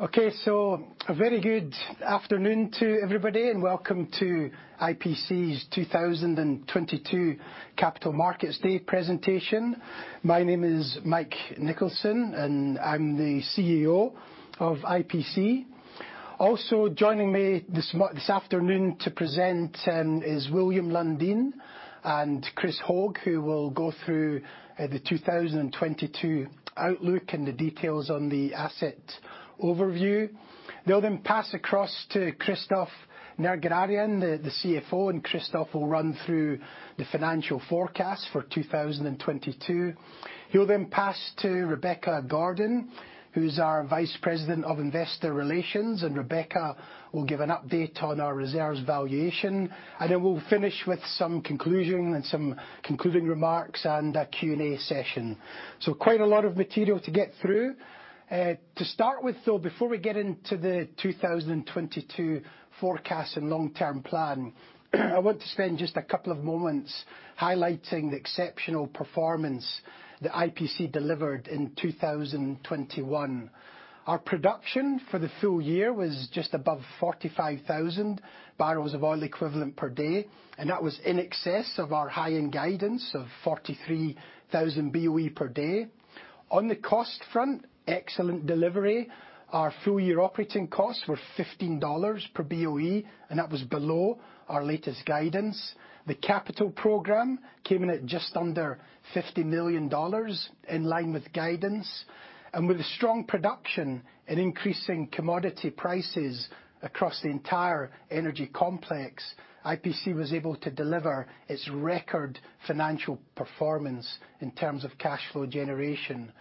Okay. A very good afternoon to everybody, and welcome to IPC's 2022 Capital Markets Day presentation. My name is Mike Nicholson, and I'm the CEO of IPC. Also joining me this afternoon to present is William Lundin and Chris Hogue, who will go through the 2022 outlook and the details on the asset overview. They'll then pass across to Christophe Nerguararian, the CFO, and Christophe will run through the financial forecast for 2022. He will then pass to Rebecca Gordon, who's our Vice President of investor relations, and Rebecca will give an update on our reserves valuation. We'll finish with some conclusion and some concluding remarks and a Q&A session. Quite a lot of material to get through. To start with though, before we get into the 2022 forecast and long-term plan, I want to spend just a couple of moments highlighting the exceptional performance that IPC delivered in 2021. Our production for the full year was just above 45,000 barrels of oil equivalent per day, and that was in excess of our high-end guidance of 43,000 BOE per day. On the cost front, excellent delivery. Our full year operating costs were $15 per BOE, and that was below our latest guidance. The capital program came in at just under $50 million, in line with guidance. With strong production and increasing commodity prices across the entire energy complex, IPC was able to deliver its record financial performance in terms of cash flow generation.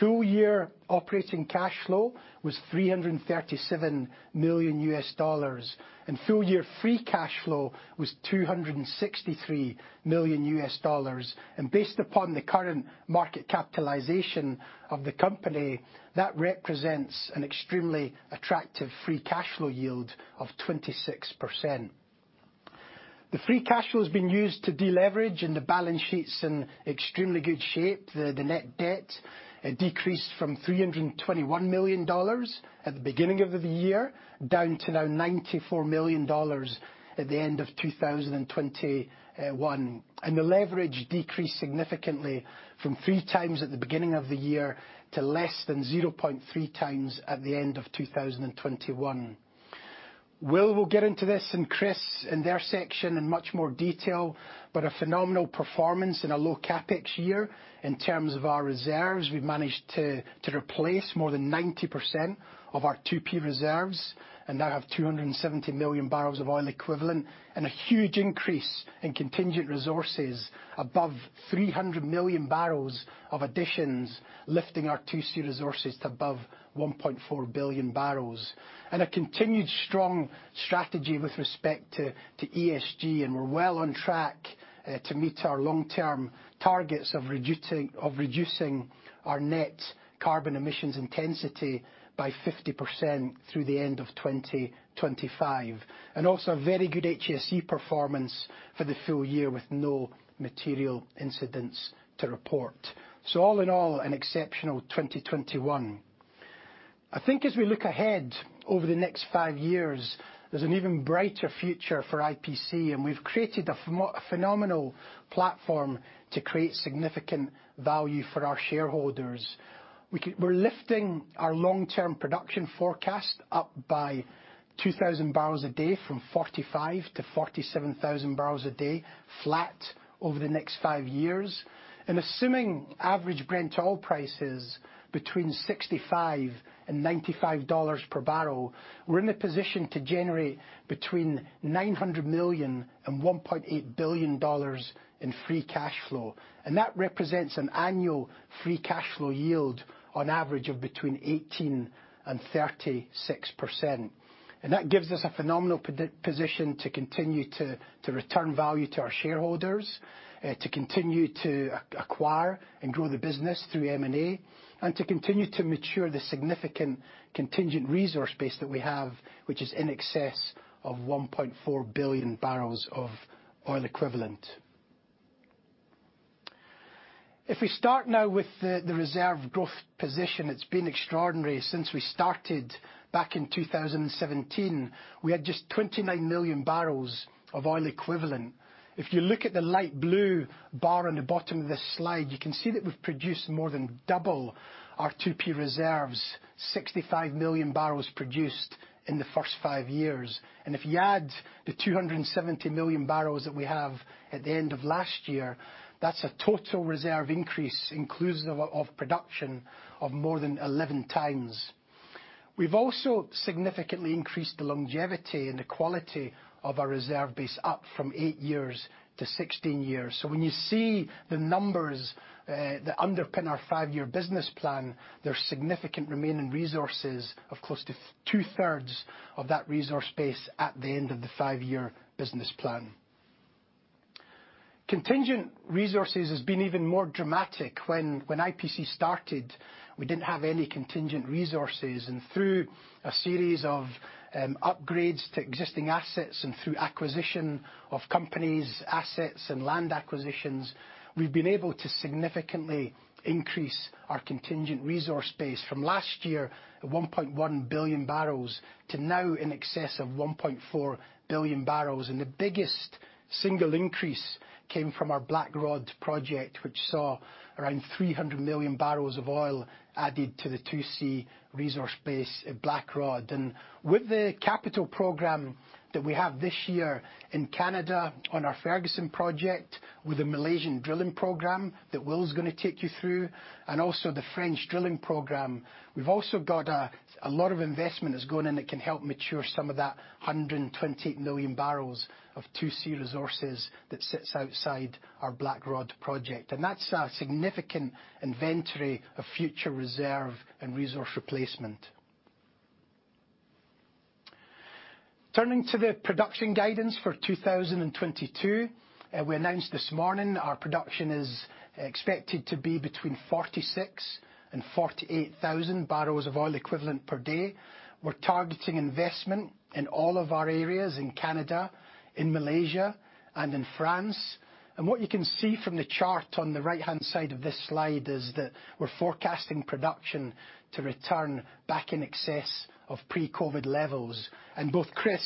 Full year operating cash flow was $337 million. Full year free cash flow was $263 million. Based upon the current market capitalization of the company, that represents an extremely attractive free cash flow yield of 26%. The free cash flow has been used to deleverage, and the balance sheet's in extremely good shape. The net debt decreased from $321 million at the beginning of the year down to now $94 million at the end of 2021. The leverage decreased significantly from 3x at the beginning of the year to less than 0.3x at the end of 2021. Will get into this and Chris in their section in much more detail, but a phenomenal performance in a low CapEx year. In terms of our reserves, we've managed to replace more than 90% of our 2P reserves and now have 270 million barrels of oil equivalent. A huge increase in contingent resources above 300 million barrels of additions, lifting our 2C resources to above 1.4 billion barrels. A continued strong strategy with respect to ESG, and we're well on track to meet our long-term targets of reducing our net carbon emissions intensity by 50% through the end of 2025. Also a very good HSE performance for the full year with no material incidents to report. All in all, an exceptional 2021. I think as we look ahead over the next five years, there's an even brighter future for IPC, and we've created a phenomenal platform to create significant value for our shareholders. We're lifting our long-term production forecast up by 2,000 barrels a day from 45,000 to 47,000 barrels a day, flat over the next five years. Assuming average Brent oil prices between $65 and $95 per barrel, we're in a position to generate between $900 million and $1.8 billion in free cash flow. That represents an annual free cash flow yield on average of between 18% and 36%. That gives us a phenomenal position to continue to return value to our shareholders, to continue to acquire and grow the business through M&A, and to continue to mature the significant contingent resource base that we have, which is in excess of 1.4 billion barrels of oil equivalent. If we start now with the reserve growth position, it's been extraordinary since we started back in 2017. We had just 29 million barrels of oil equivalent. If you look at the light blue bar on the bottom of this slide, you can see that we've produced more than double our 2P reserves, 65 million barrels produced in the first five years. If you add the 270 million barrels that we have at the end of last year, that's a total reserve increase inclusive of production of more than 11x. We've also significantly increased the longevity and the quality of our reserve base up from 8 years to 16 years. When you see the numbers that underpin our 5-year business plan, there's significant remaining resources of close to two thirds of that resource base at the end of the 5-year business plan. Contingent resources has been even more dramatic. When IPC started, we didn't have any contingent resources. Through a series of upgrades to existing assets and through acquisition of companies, assets, and land acquisitions, we've been able to significantly increase our contingent resource base from last year at 1.1 billion barrels to now in excess of 1.4 billion barrels. The biggest single increase came from our Blackrod project, which saw around 300 million barrels of oil added to the 2C resource base at Blackrod. With the capital program that we have this year in Canada on our Ferguson project, with the Malaysian drilling program that Will's gonna take you through, and also the French drilling program, we've also got a lot of investment that's gone in that can help mature some of that 120 million barrels of 2C resources that sits outside our Blackrod project. That's a significant inventory of future reserve and resource replacement. Turning to the production guidance for 2022. We announced this morning our production is expected to be between 46,000 and 48,000 barrels of oil equivalent per day. We're targeting investment in all of our areas, in Canada, in Malaysia, and in France. What you can see from the chart on the right-hand side of this slide is that we're forecasting production to return back in excess of pre-COVID levels. Both Chris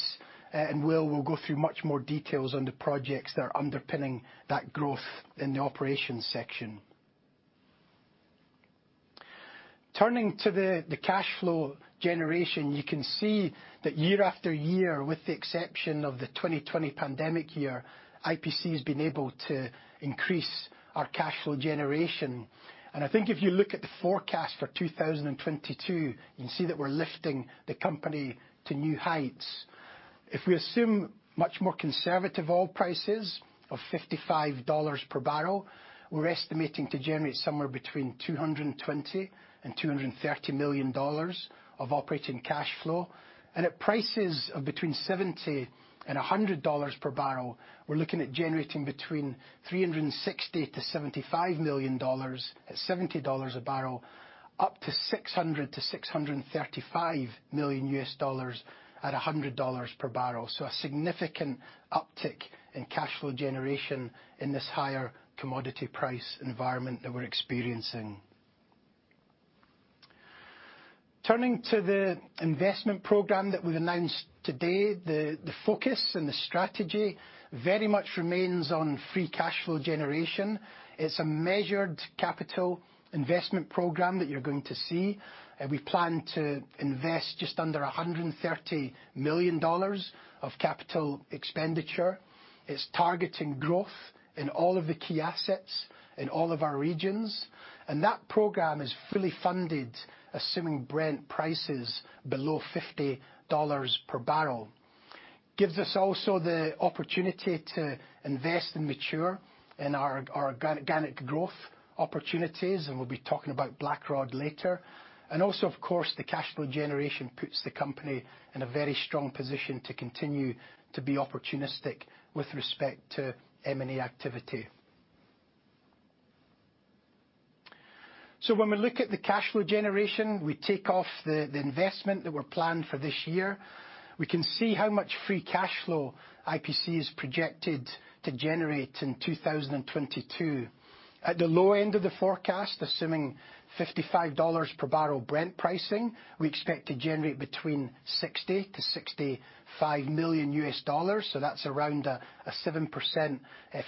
and Will will go through much more details on the projects that are underpinning that growth in the operations section. Turning to the cash flow generation. You can see that year after year, with the exception of the 2020 pandemic year, IPC has been able to increase our cash flow generation. I think if you look at the forecast for 2022, you can see that we're lifting the company to new heights. If we assume much more conservative oil prices of $55 per barrel, we're estimating to generate somewhere between $220 million and $230 million of operating cash flow. At prices of between $70 and $100 per barrel, we're looking at generating between $360-$375 million at $70 a barrel, up to $600-635 million at $100 a barrel. A significant uptick in cash flow generation in this higher commodity price environment that we're experiencing. Turning to the investment program that we've announced today. The focus and the strategy very much remains on free cash flow generation. It's a measured capital investment program that you're going to see. We plan to invest just under $130 million of capital expenditure. It's targeting growth in all of the key assets in all of our regions. That program is fully funded, assuming Brent price is below $50 a barrel. Gives us also the opportunity to invest and mature in our organic growth opportunities, and we'll be talking about Blackrod later. Of course, the cash flow generation puts the company in a very strong position to continue to be opportunistic with respect to M&A activity. When we look at the cash flow generation, we take off the investment that were planned for this year. We can see how much free cash flow IPC is projected to generate in 2022. At the low end of the forecast, assuming $55 per barrel Brent pricing, we expect to generate between $60-$65 million, so that's around a 7%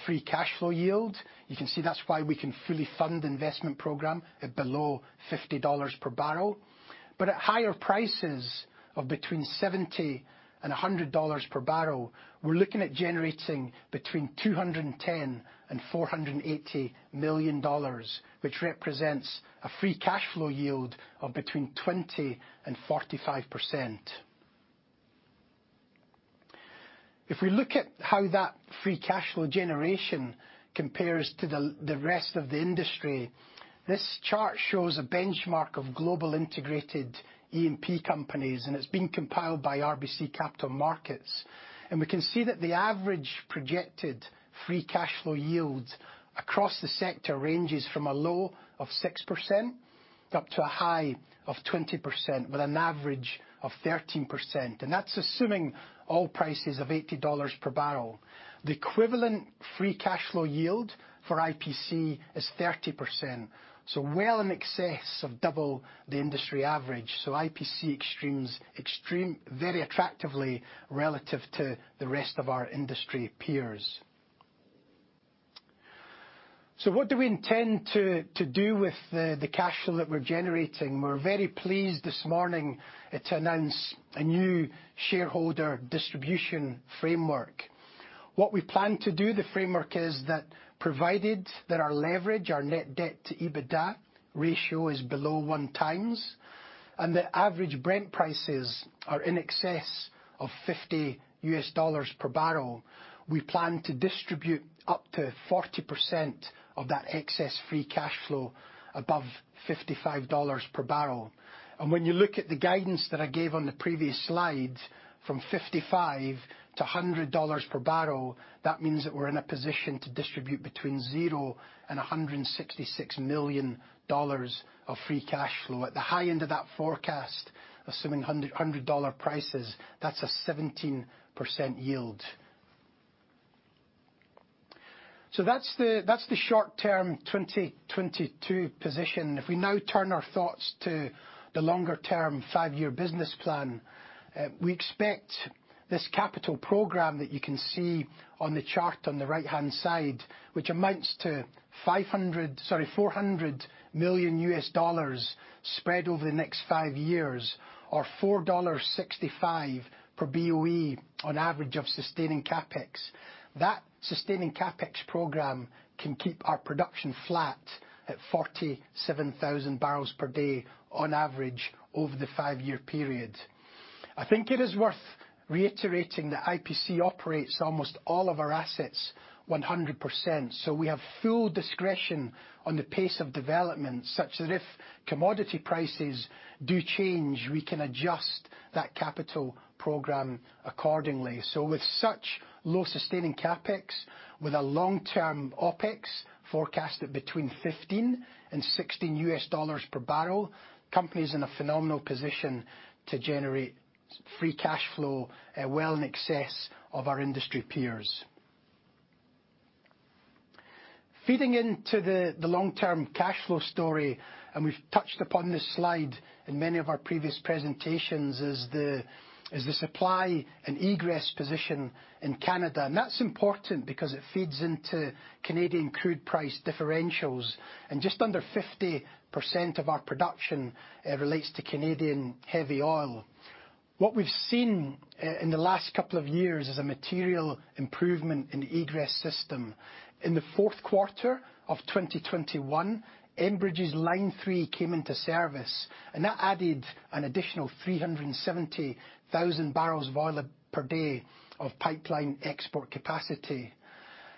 free cash flow yield. You can see that's why we can fully fund the investment program at below $50 per barrel. At higher prices of between $70 and $100 per barrel, we're looking at generating between $210 million and $480 million, which represents a free cash flow yield of between 20% and 45%. If we look at how that free cash flow generation compares to the rest of the industry, this chart shows a benchmark of global integrated E&P companies, and it's been compiled by RBC Capital Markets. We can see that the average projected free cash flow yield across the sector ranges from a low of 6% up to a high of 20%, with an average of 13%. That's assuming oil prices of $80 per barrel. The equivalent free cash flow yield for IPC is 30%, so well in excess of double the industry average. IPC trades extremely attractively relative to the rest of our industry peers. What do we intend to do with the cash flow that we're generating? We're very pleased this morning to announce a new shareholder distribution framework. What we plan to do in the framework is that provided that our leverage, our net debt to EBITDA ratio is below 1x, and the average Brent prices are in excess of $50 per barrel. We plan to distribute up to 40% of that excess free cash flow above $55 per barrel. When you look at the guidance that I gave on the previous slide, from $55 to $100 per barrel, that means that we're in a position to distribute between $0 and $166 million of free cash flow. At the high end of that forecast, assuming $100 prices, that's a 17% yield. That's the short-term 2022 position. If we now turn our thoughts to the longer-term 5-year business plan, we expect this capital program that you can see on the chart on the right-hand side, which amounts to $400 million spread over the next five years or $4.65 per BOE on average of sustaining CapEx. That sustaining CapEx program can keep our production flat at 47,000 barrels per day on average over the 5-year period. I think it is worth reiterating that IPC operates almost all of our assets 100%. We have full discretion on the pace of development, such that if commodity prices do change, we can adjust that capital program accordingly. With such low sustaining CapEx, with a long-term OpEx forecasted between $15-$16 per barrel, company is in a phenomenal position to generate free cash flow, well in excess of our industry peers. Feeding into the long-term cash flow story, and we've touched upon this slide in many of our previous presentations, is the supply and egress position in Canada. That's important because it feeds into Canadian crude price differentials, and just under 50% of our production relates to Canadian heavy oil. What we've seen in the last couple of years is a material improvement in the egress system. In the fourth quarter of 2021, Enbridge's Line 3 came into service, and that added an additional 370,000 barrels of oil per day of pipeline export capacity.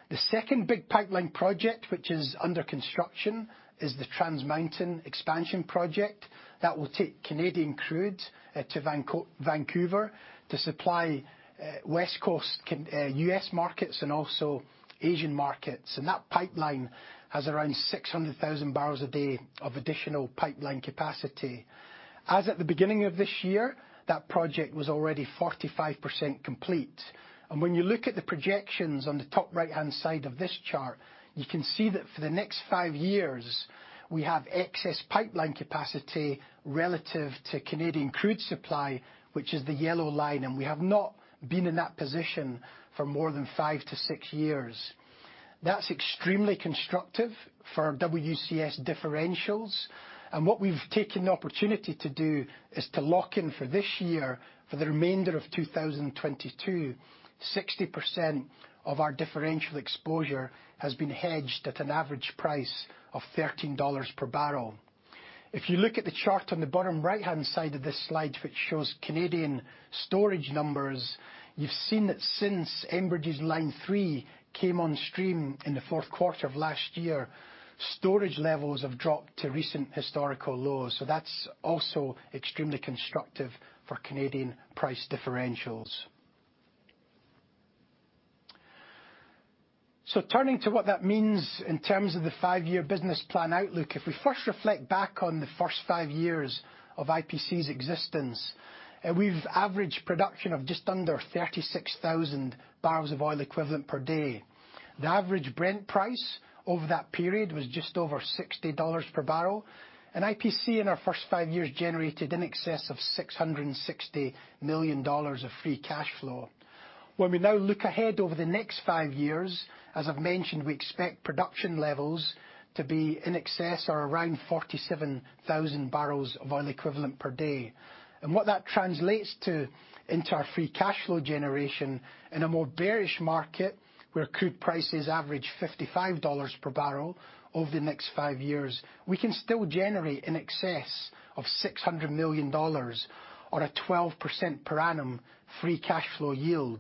The second big pipeline project, which is under construction, is the Trans Mountain Expansion Project that will take Canadian crude to Vancouver to supply West Coast U.S. markets and also Asian markets. That pipeline has around 600,000 barrels a day of additional pipeline capacity. As at the beginning of this year, that project was already 45% complete. When you look at the projections on the top right-hand side of this chart, you can see that for the next five years, we have excess pipeline capacity relative to Canadian crude supply, which is the yellow line, and we have not been in that position for more than five to six years. That's extremely constructive for WCS differentials. What we've taken the opportunity to do is to lock in for this year, for the remainder of 2022, 60% of our differential exposure has been hedged at an average price of $13 per barrel. If you look at the chart on the bottom right-hand side of this slide, which shows Canadian storage numbers, you've seen that since Enbridge's Line 3 came on stream in the fourth quarter of last year, storage levels have dropped to recent historical lows. That's also extremely constructive for Canadian price differentials. Turning to what that means in terms of the 5-year business plan outlook, if we first reflect back on the first five years of IPC's existence, we've averaged production of just under 36,000 barrels of oil equivalent per day. The average Brent price over that period was just over $60 per barrel. IPC, in our first five years, generated in excess of $660 million of free cash flow. When we now look ahead over the next five years, as I've mentioned, we expect production levels to be in excess or around 47,000 barrels of oil equivalent per day. What that translates to into our free cash flow generation in a more bearish market where crude prices average $55 per barrel over the next five years, we can still generate in excess of $600 million on a 12% per annum free cash flow yield.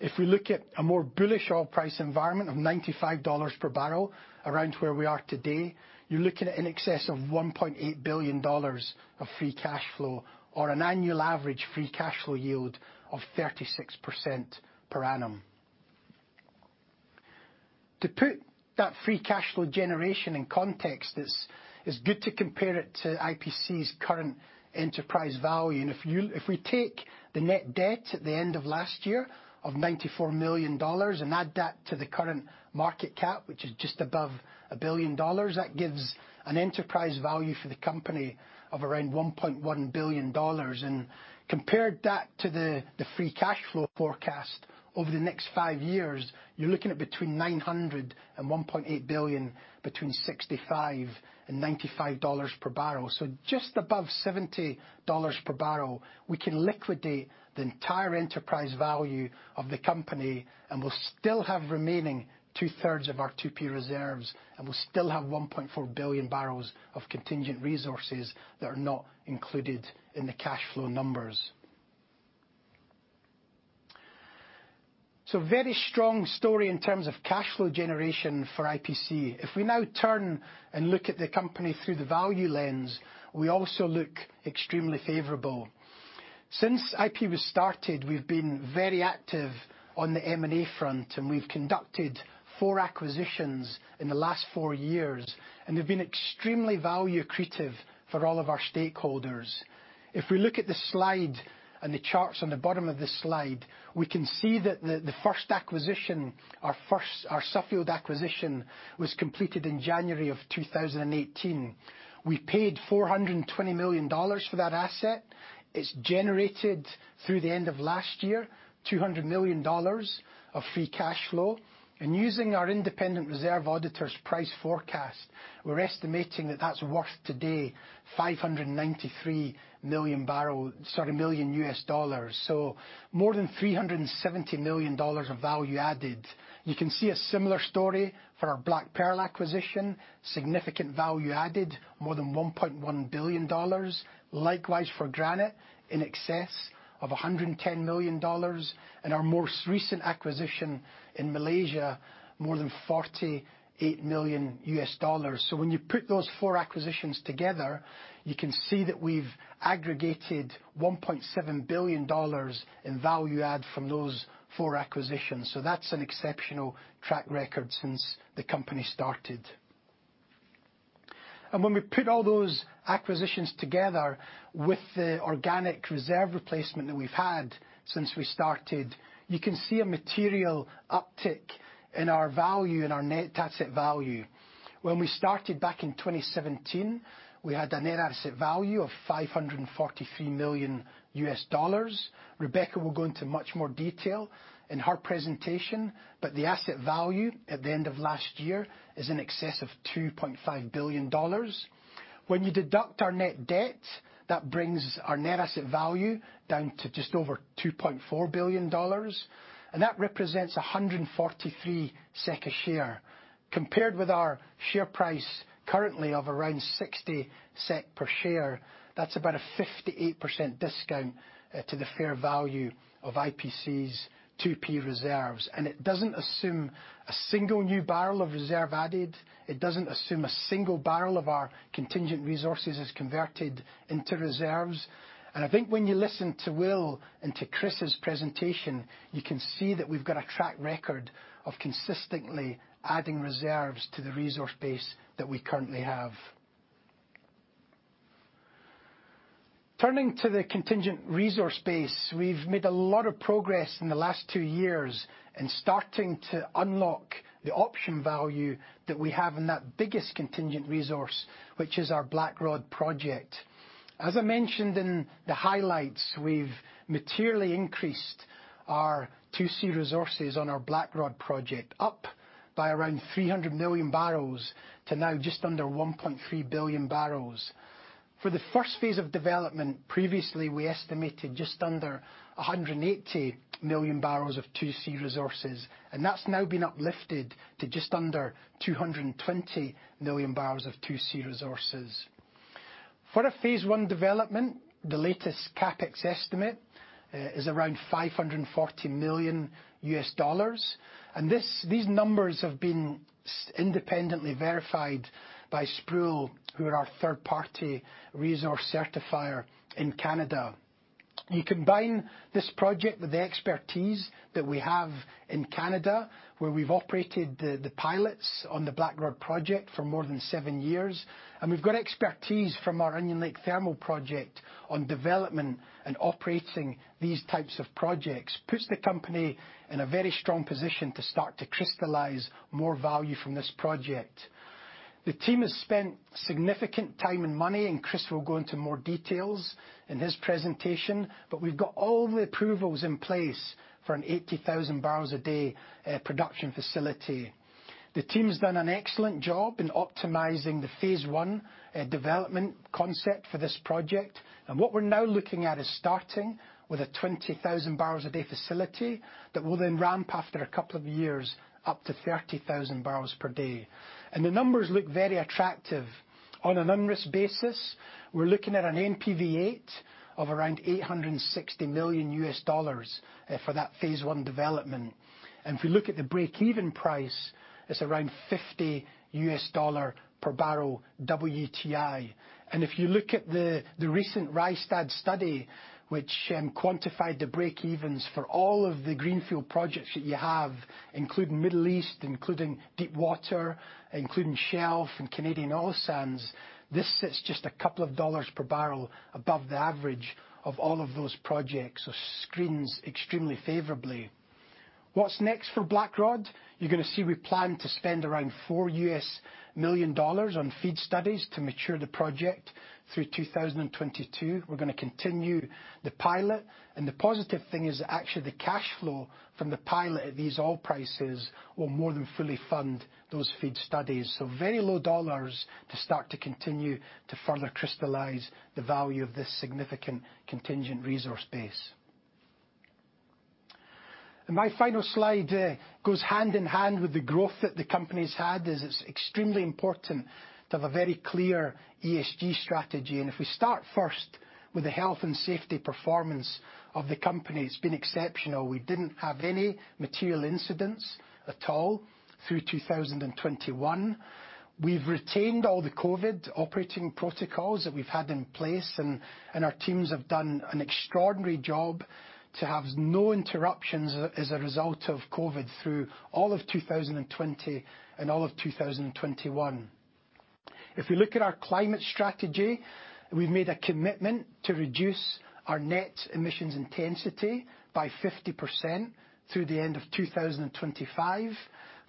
If we look at a more bullish oil price environment of $95 per barrel, around where we are today, you're looking at in excess of $1.8 billion of free cash flow or an annual average free cash flow yield of 36% per annum. To put that free cash flow generation in context, it's good to compare it to IPC's current enterprise value. If we take the net debt at the end of last year of $94 million and add that to the current market cap, which is just above $1 billion, that gives an enterprise value for the company of around $1.1 billion. Compare that to the free cash flow forecast over the next five years, you're looking at between $900 million and $1.8 billion, between $65 and $95 per barrel. Just above $70 per barrel, we can liquidate the entire enterprise value of the company, and we'll still have remaining two-thirds of our 2P reserves, and we'll still have 1.4 billion barrels of contingent resources that are not included in the cash flow numbers. Very strong story in terms of cash flow generation for IPC. If we now turn and look at the company through the value lens, we also look extremely favorable. Since IPC was started, we've been very active on the M&A front, and we've conducted four acquisitions in the last four years, and they've been extremely value accretive for all of our stakeholders. If we look at the slide and the charts on the bottom of the slide, we can see that the first acquisition, our Suffield acquisition was completed in January of 2018. We paid $420 million for that asset. It's generated through the end of last year, $200 million of free cash flow. Using our independent reserve auditors price forecast, we're estimating that that's worth today $593 million. More than $370 million of value added. You can see a similar story for our Black Pearl acquisition. Significant value added, more than $1.1 billion. Likewise, for Granite in excess of $110 million. Our most recent acquisition in Malaysia, more than $48 million. When you put those four acquisitions together, you can see that we've aggregated $1.7 billion in value add from those four acquisitions. That's an exceptional track record since the company started. When we put all those acquisitions together with the organic reserve replacement that we've had since we started, you can see a material uptick in our value and our net asset value. When we started back in 2017, we had a net asset value of $543 million. Rebecca will go into much more detail in her presentation, but the asset value at the end of last year is in excess of $2.5 billion. When you deduct our net debt, that brings our net asset value down to just over $2.4 billion, and that represents 143 SEK a share. Compared with our share price currently of around 60 SEK per share, that's about a 58% discount to the fair value of IPC's 2P reserves. It doesn't assume a single new barrel of reserve added. It doesn't assume a single barrel of our contingent resources is converted into reserves. I think when you listen to Will and to Chris's presentation, you can see that we've got a track record of consistently adding reserves to the resource base that we currently have. Turning to the contingent resource base, we've made a lot of progress in the last two years in starting to unlock the option value that we have in that biggest contingent resource, which is our Blackrod project. As I mentioned in the highlights, we've materially increased our 2C resources on our Blackrod project, up by around 300 million barrels to now just under 1.3 billion barrels. For the first phase of development, previously, we estimated just under 180 million barrels of 2C resources, and that's now been uplifted to just under 220 million barrels of 2C resources. For a phase one development, the latest CapEx estimate is around $540 million. This, these numbers have been independently verified by Sproule, who are our third-party resource certifier in Canada. You combine this project with the expertise that we have in Canada, where we've operated the pilots on the Blackrod project for more than seven years, and we've got expertise from our Onion Lake thermal project on development and operating these types of projects, puts the company in a very strong position to start to crystallize more value from this project. The team has spent significant time and money, and Chris will go into more details in his presentation, but we've got all the approvals in place for an 80,000 barrels a day production facility. The team has done an excellent job in optimizing the phase one development concept for this project. What we're now looking at is starting with a 20,000 barrels a day facility that will then ramp after a couple of years up to 30,000 barrels per day. The numbers look very attractive. On a non-risk basis, we're looking at an NPV8 of around $860 million for that phase one development. If you look at the break-even price, it's around $50 per barrel WTI. If you look at the recent Rystad study, which quantified the breakevens for all of the greenfield projects that you have, including Middle East, including deep water, including shelf and Canadian oil sands, this sits just a couple of dollars per barrel above the average of all of those projects. Screens extremely favorably. What's next for Blackrod? You're gonna see we plan to spend around $4 million on FEED studies to mature the project through 2022. We're gonna continue the pilot, and the positive thing is that actually the cash flow from the pilot at these oil prices will more than fully fund those FEED studies. Very low dollars to start to continue to further crystallize the value of this significant contingent resource base. My final slide goes hand in hand with the growth that the company's had, as it's extremely important to have a very clear ESG strategy. If we start first with the health and safety performance of the company, it's been exceptional. We didn't have any material incidents at all through 2021. We've retained all the COVID operating protocols that we've had in place, and our teams have done an extraordinary job to have no interruptions as a result of COVID through all of 2020 and all of 2021. If you look at our climate strategy, we've made a commitment to reduce our net emissions intensity by 50% through the end of 2025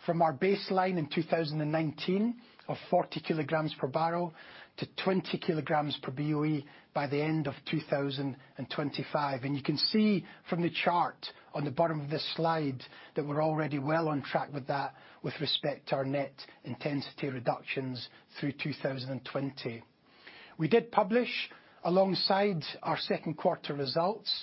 from our baseline in 2019 of 40 kilograms per barrel to 20 kilograms per BOE by the end of 2025. You can see from the chart on the bottom of this slide that we're already well on track with that with respect to our net intensity reductions through 2020. We did publish, alongside our second quarter results,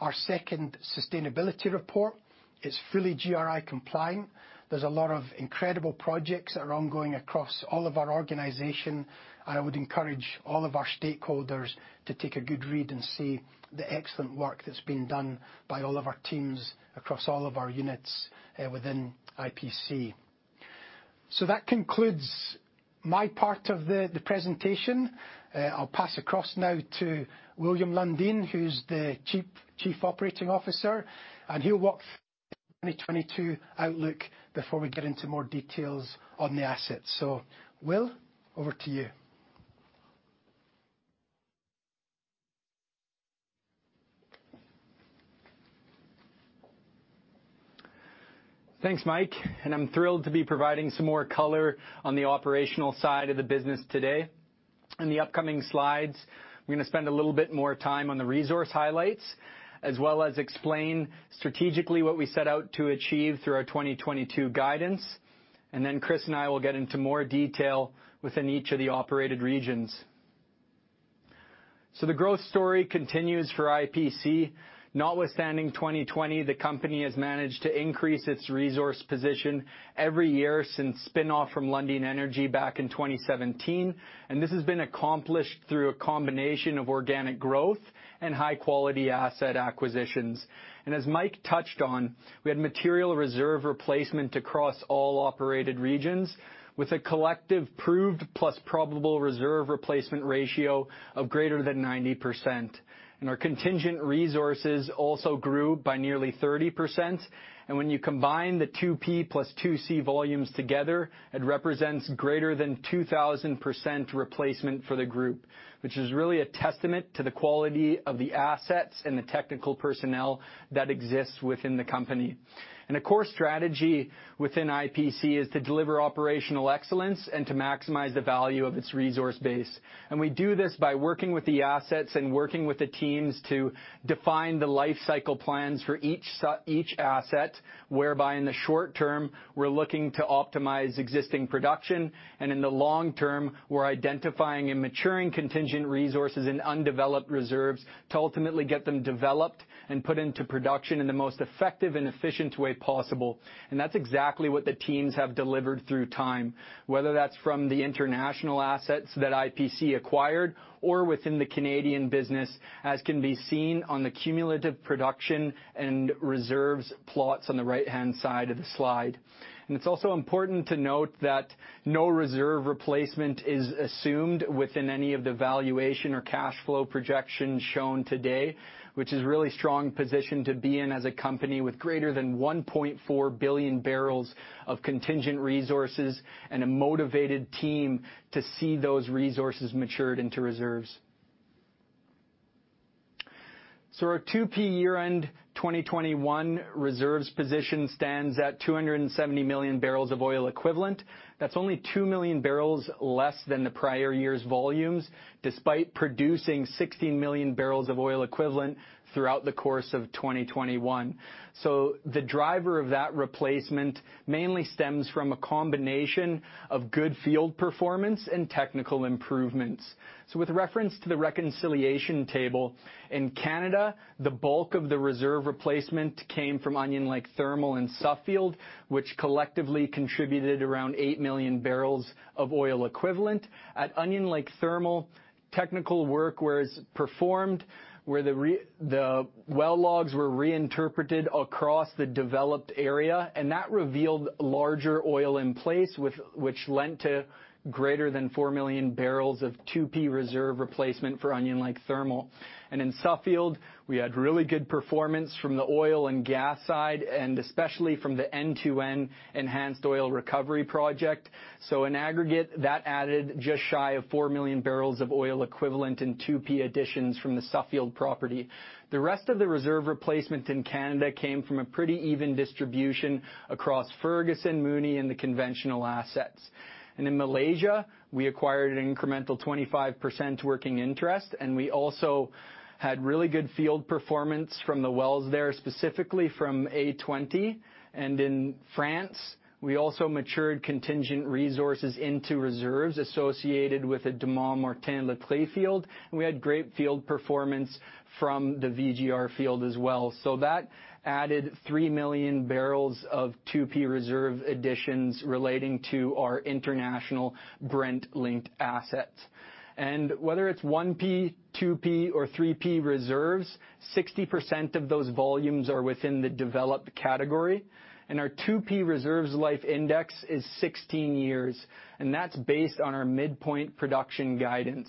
our second sustainability report. It's fully GRI compliant. There's a lot of incredible projects that are ongoing across all of our organization. I would encourage all of our stakeholders to take a good read and see the excellent work that's been done by all of our teams across all of our units within IPC. That concludes my part of the presentation. I'll pass across now to William Lundin, who's the Chief Operating Officer, and he'll walk through the 2022 outlook before we get into more details on the assets. Will, over to you. Thanks, Mike, and I'm thrilled to be providing some more color on the operational side of the business today. In the upcoming slides, we're gonna spend a little bit more time on the resource highlights, as well as explain strategically what we set out to achieve through our 2022 guidance. Chris and I will get into more detail within each of the operated regions. The growth story continues for IPC. Notwithstanding 2020, the company has managed to increase its resource position every year since spinoff from Lundin Energy back in 2017, and this has been accomplished through a combination of organic growth and high-quality asset acquisitions. As Mike touched on, we had material reserve replacement across all operated regions with a collective proved plus probable reserve replacement ratio of greater than 90%. Our contingent resources also grew by nearly 30%. When you combine the 2P plus 2C volumes together, it represents greater than 2,000% replacement for the group, which is really a testament to the quality of the assets and the technical personnel that exists within the company. A core strategy within IPC is to deliver operational excellence and to maximize the value of its resource base. We do this by working with the assets and working with the teams to define the life cycle plans for each asset, whereby in the short term, we're looking to optimize existing production, and in the long term, we're identifying and maturing contingent resources and undeveloped reserves to ultimately get them developed and put into production in the most effective and efficient way possible. That's exactly what the teams have delivered through time, whether that's from the international assets that IPC acquired or within the Canadian business, as can be seen on the cumulative production and reserves plots on the right-hand side of the slide. It's also important to note that no reserve replacement is assumed within any of the valuation or cash flow projections shown today, which is a really strong position to be in as a company with greater than 1.4 billion barrels of contingent resources and a motivated team to see those resources matured into reserves. Our 2P year-end 2021 reserves position stands at 270 million barrels of oil equivalent. That's only 2 million barrels less than the prior year's volumes, despite producing 16 million barrels of oil equivalent throughout the course of 2021. The driver of that replacement mainly stems from a combination of good field performance and technical improvements. With reference to the reconciliation table, in Canada, the bulk of the reserve replacement came from Onion Lake Thermal and Suffield, which collectively contributed around 8 million barrels of oil equivalent. At Onion Lake Thermal, technical work was performed where the well logs were reinterpreted across the developed area, and that revealed larger oil in place with which led to greater than 4 million barrels of 2P reserve replacement for Onion Lake Thermal. In Suffield, we had really good performance from the oil and gas side, and especially from the N2N enhanced oil recovery project. In aggregate, that added just shy of 4 million barrels of oil equivalent in 2P additions from the Suffield property. The rest of the reserve replacement in Canada came from a pretty even distribution across Ferguson, Moonie, and the conventional assets. In Malaysia, we acquired an incremental 25% working interest, and we also had really good field performance from the wells there, specifically from A20. In France, we also matured contingent resources into reserves associated with the Dommartin-Lettrée field. We had great field performance from the VGR field as well. That added 3 million barrels of 2P reserve additions relating to our international Brent-linked assets. Whether it's 1P, 2P, or 3P reserves, 60% of those volumes are within the developed category. Our 2P reserves life index is 16 years, and that's based on our midpoint production guidance.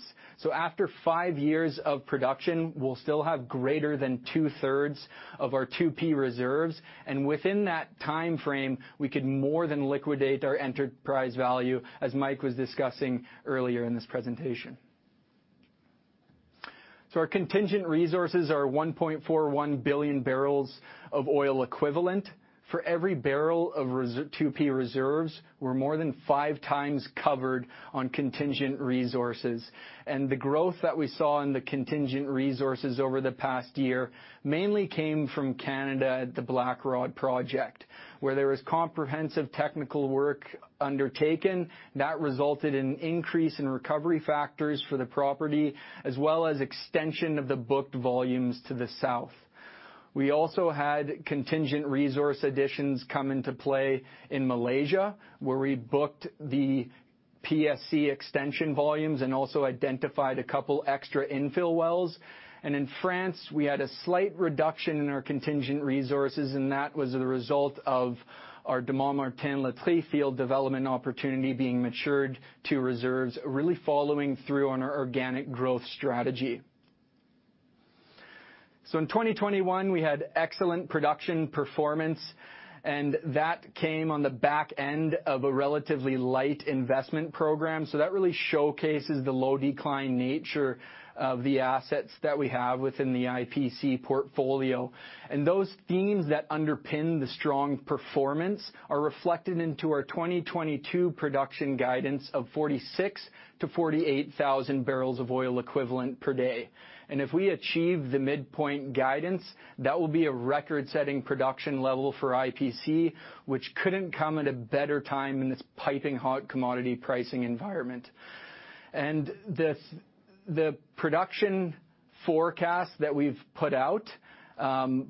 After five years of production, we'll still have greater than two-thirds of our 2P reserves. Within that timeframe, we could more than liquidate our enterprise value, as Mike was discussing earlier in this presentation. Our contingent resources are 1.41 billion barrels of oil equivalent. For every barrel of 2P reserves, we're more than 5x covered on contingent resources. The growth that we saw in the contingent resources over the past year mainly came from Canada at the Blackrod project, where there was comprehensive technical work undertaken that resulted in increase in recovery factors for the property, as well as extension of the booked volumes to the south. We also had contingent resource additions come into play in Malaysia, where we booked the PSC extension volumes and also identified a couple extra infill wells. In France, we had a slight reduction in our contingent resources, and that was the result of our Dommartin-Lettrée field development opportunity being matured to reserves, really following through on our organic growth strategy. In 2021, we had excellent production performance, and that came on the back end of a relatively light investment program. That really showcases the low decline nature of the assets that we have within the IPC portfolio. Those themes that underpin the strong performance are reflected into our 2022 production guidance of 46,000-48,000 barrels of oil equivalent per day. If we achieve the midpoint guidance, that will be a record-setting production level for IPC, which couldn't come at a better time in this piping hot commodity pricing environment. The production forecast that we've put out,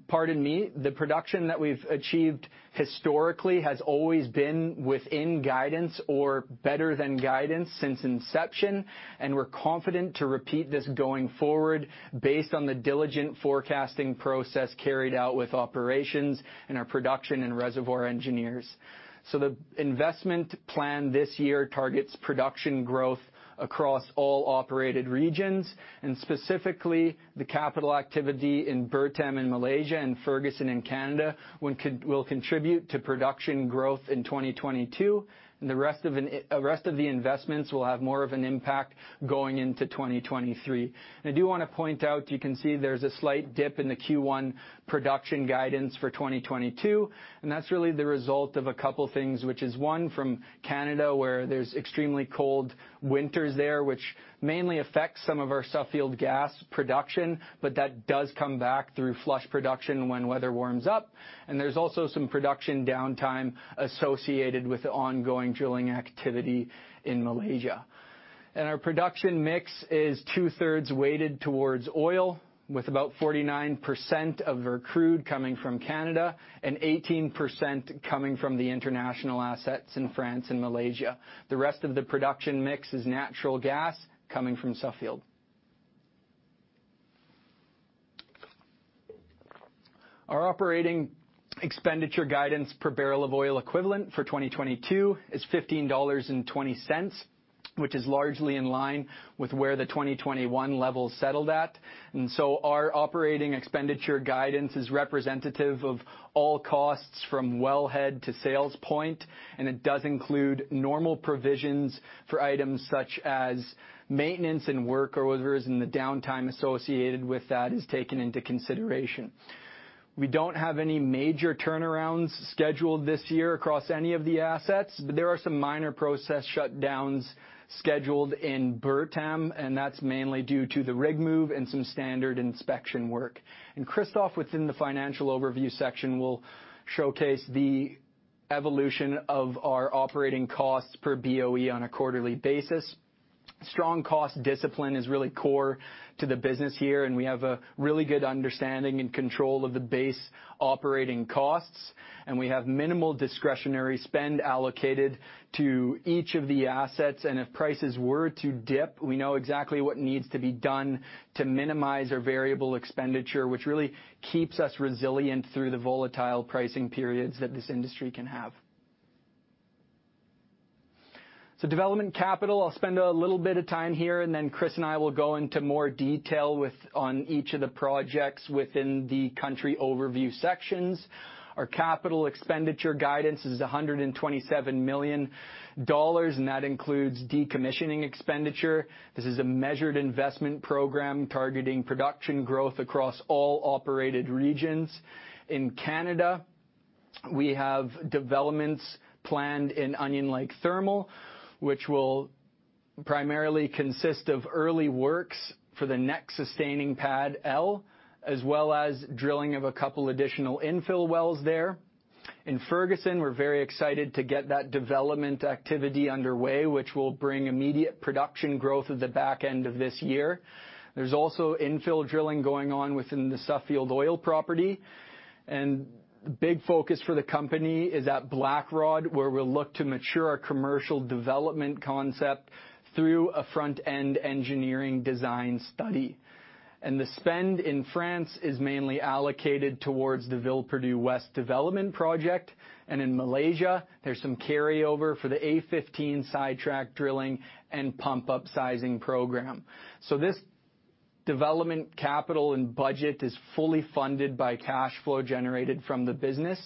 pardon me, the production that we've achieved historically has always been within guidance or better than guidance since inception, and we're confident to repeat this going forward based on the diligent forecasting process carried out with operations and our production and reservoir engineers. The investment plan this year targets production growth across all operated regions, and specifically, the capital activity in Bertam in Malaysia and Ferguson in Canada will contribute to production growth in 2022, and the rest of the investments will have more of an impact going into 2023. I do wanna point out, you can see there's a slight dip in the Q1 production guidance for 2022, and that's really the result of a couple things, which is, one, from Canada, where there's extremely cold winters there, which mainly affects some of our Suffield gas production, but that does come back through flush production when weather warms up. There's also some production downtime associated with the ongoing drilling activity in Malaysia. Our production mix is two-thirds weighted towards oil, with about 49% of our crude coming from Canada and 18% coming from the international assets in France and Malaysia. The rest of the production mix is natural gas coming from Suffield. Our operating expenditure guidance per barrel of oil equivalent for 2022 is $15.20, which is largely in line with where the 2021 level settled at. Our operating expenditure guidance is representative of all costs from wellhead to sales point, and it does include normal provisions for items such as maintenance and workovers, and the downtime associated with that is taken into consideration. We don't have any major turnarounds scheduled this year across any of the assets, but there are some minor process shutdowns scheduled in Bertam, and that's mainly due to the rig move and some standard inspection work. Christophe, within the financial overview section, will showcase the evolution of our operating costs per BOE on a quarterly basis. Strong cost discipline is really core to the business here, and we have a really good understanding and control of the base operating costs, and we have minimal discretionary spend allocated to each of the assets. If prices were to dip, we know exactly what needs to be done to minimize our variable expenditure, which really keeps us resilient through the volatile pricing periods that this industry can have. Development capital, I'll spend a little bit of time here, and then Chris and I will go into more detail on each of the projects within the country overview sections. Our capital expenditure guidance is $127 million, and that includes decommissioning expenditure. This is a measured investment program targeting production growth across all operated regions. In Canada, we have developments planned in Onion Lake Thermal, which will primarily consist of early works for the next sustaining pad, L, as well as drilling of a couple additional infill wells there. In Ferguson, we're very excited to get that development activity underway, which will bring immediate production growth at the back end of this year. There's also infill drilling going on within the Suffield oil property. The big focus for the company is at Blackrod, where we'll look to mature our commercial development concept through a front-end engineering design study. The spend in France is mainly allocated towards the Villeperdue West development project. In Malaysia, there's some carryover for the A15 sidetrack drilling and pump upsizing program. This development capital and budget is fully funded by cash flow generated from the business.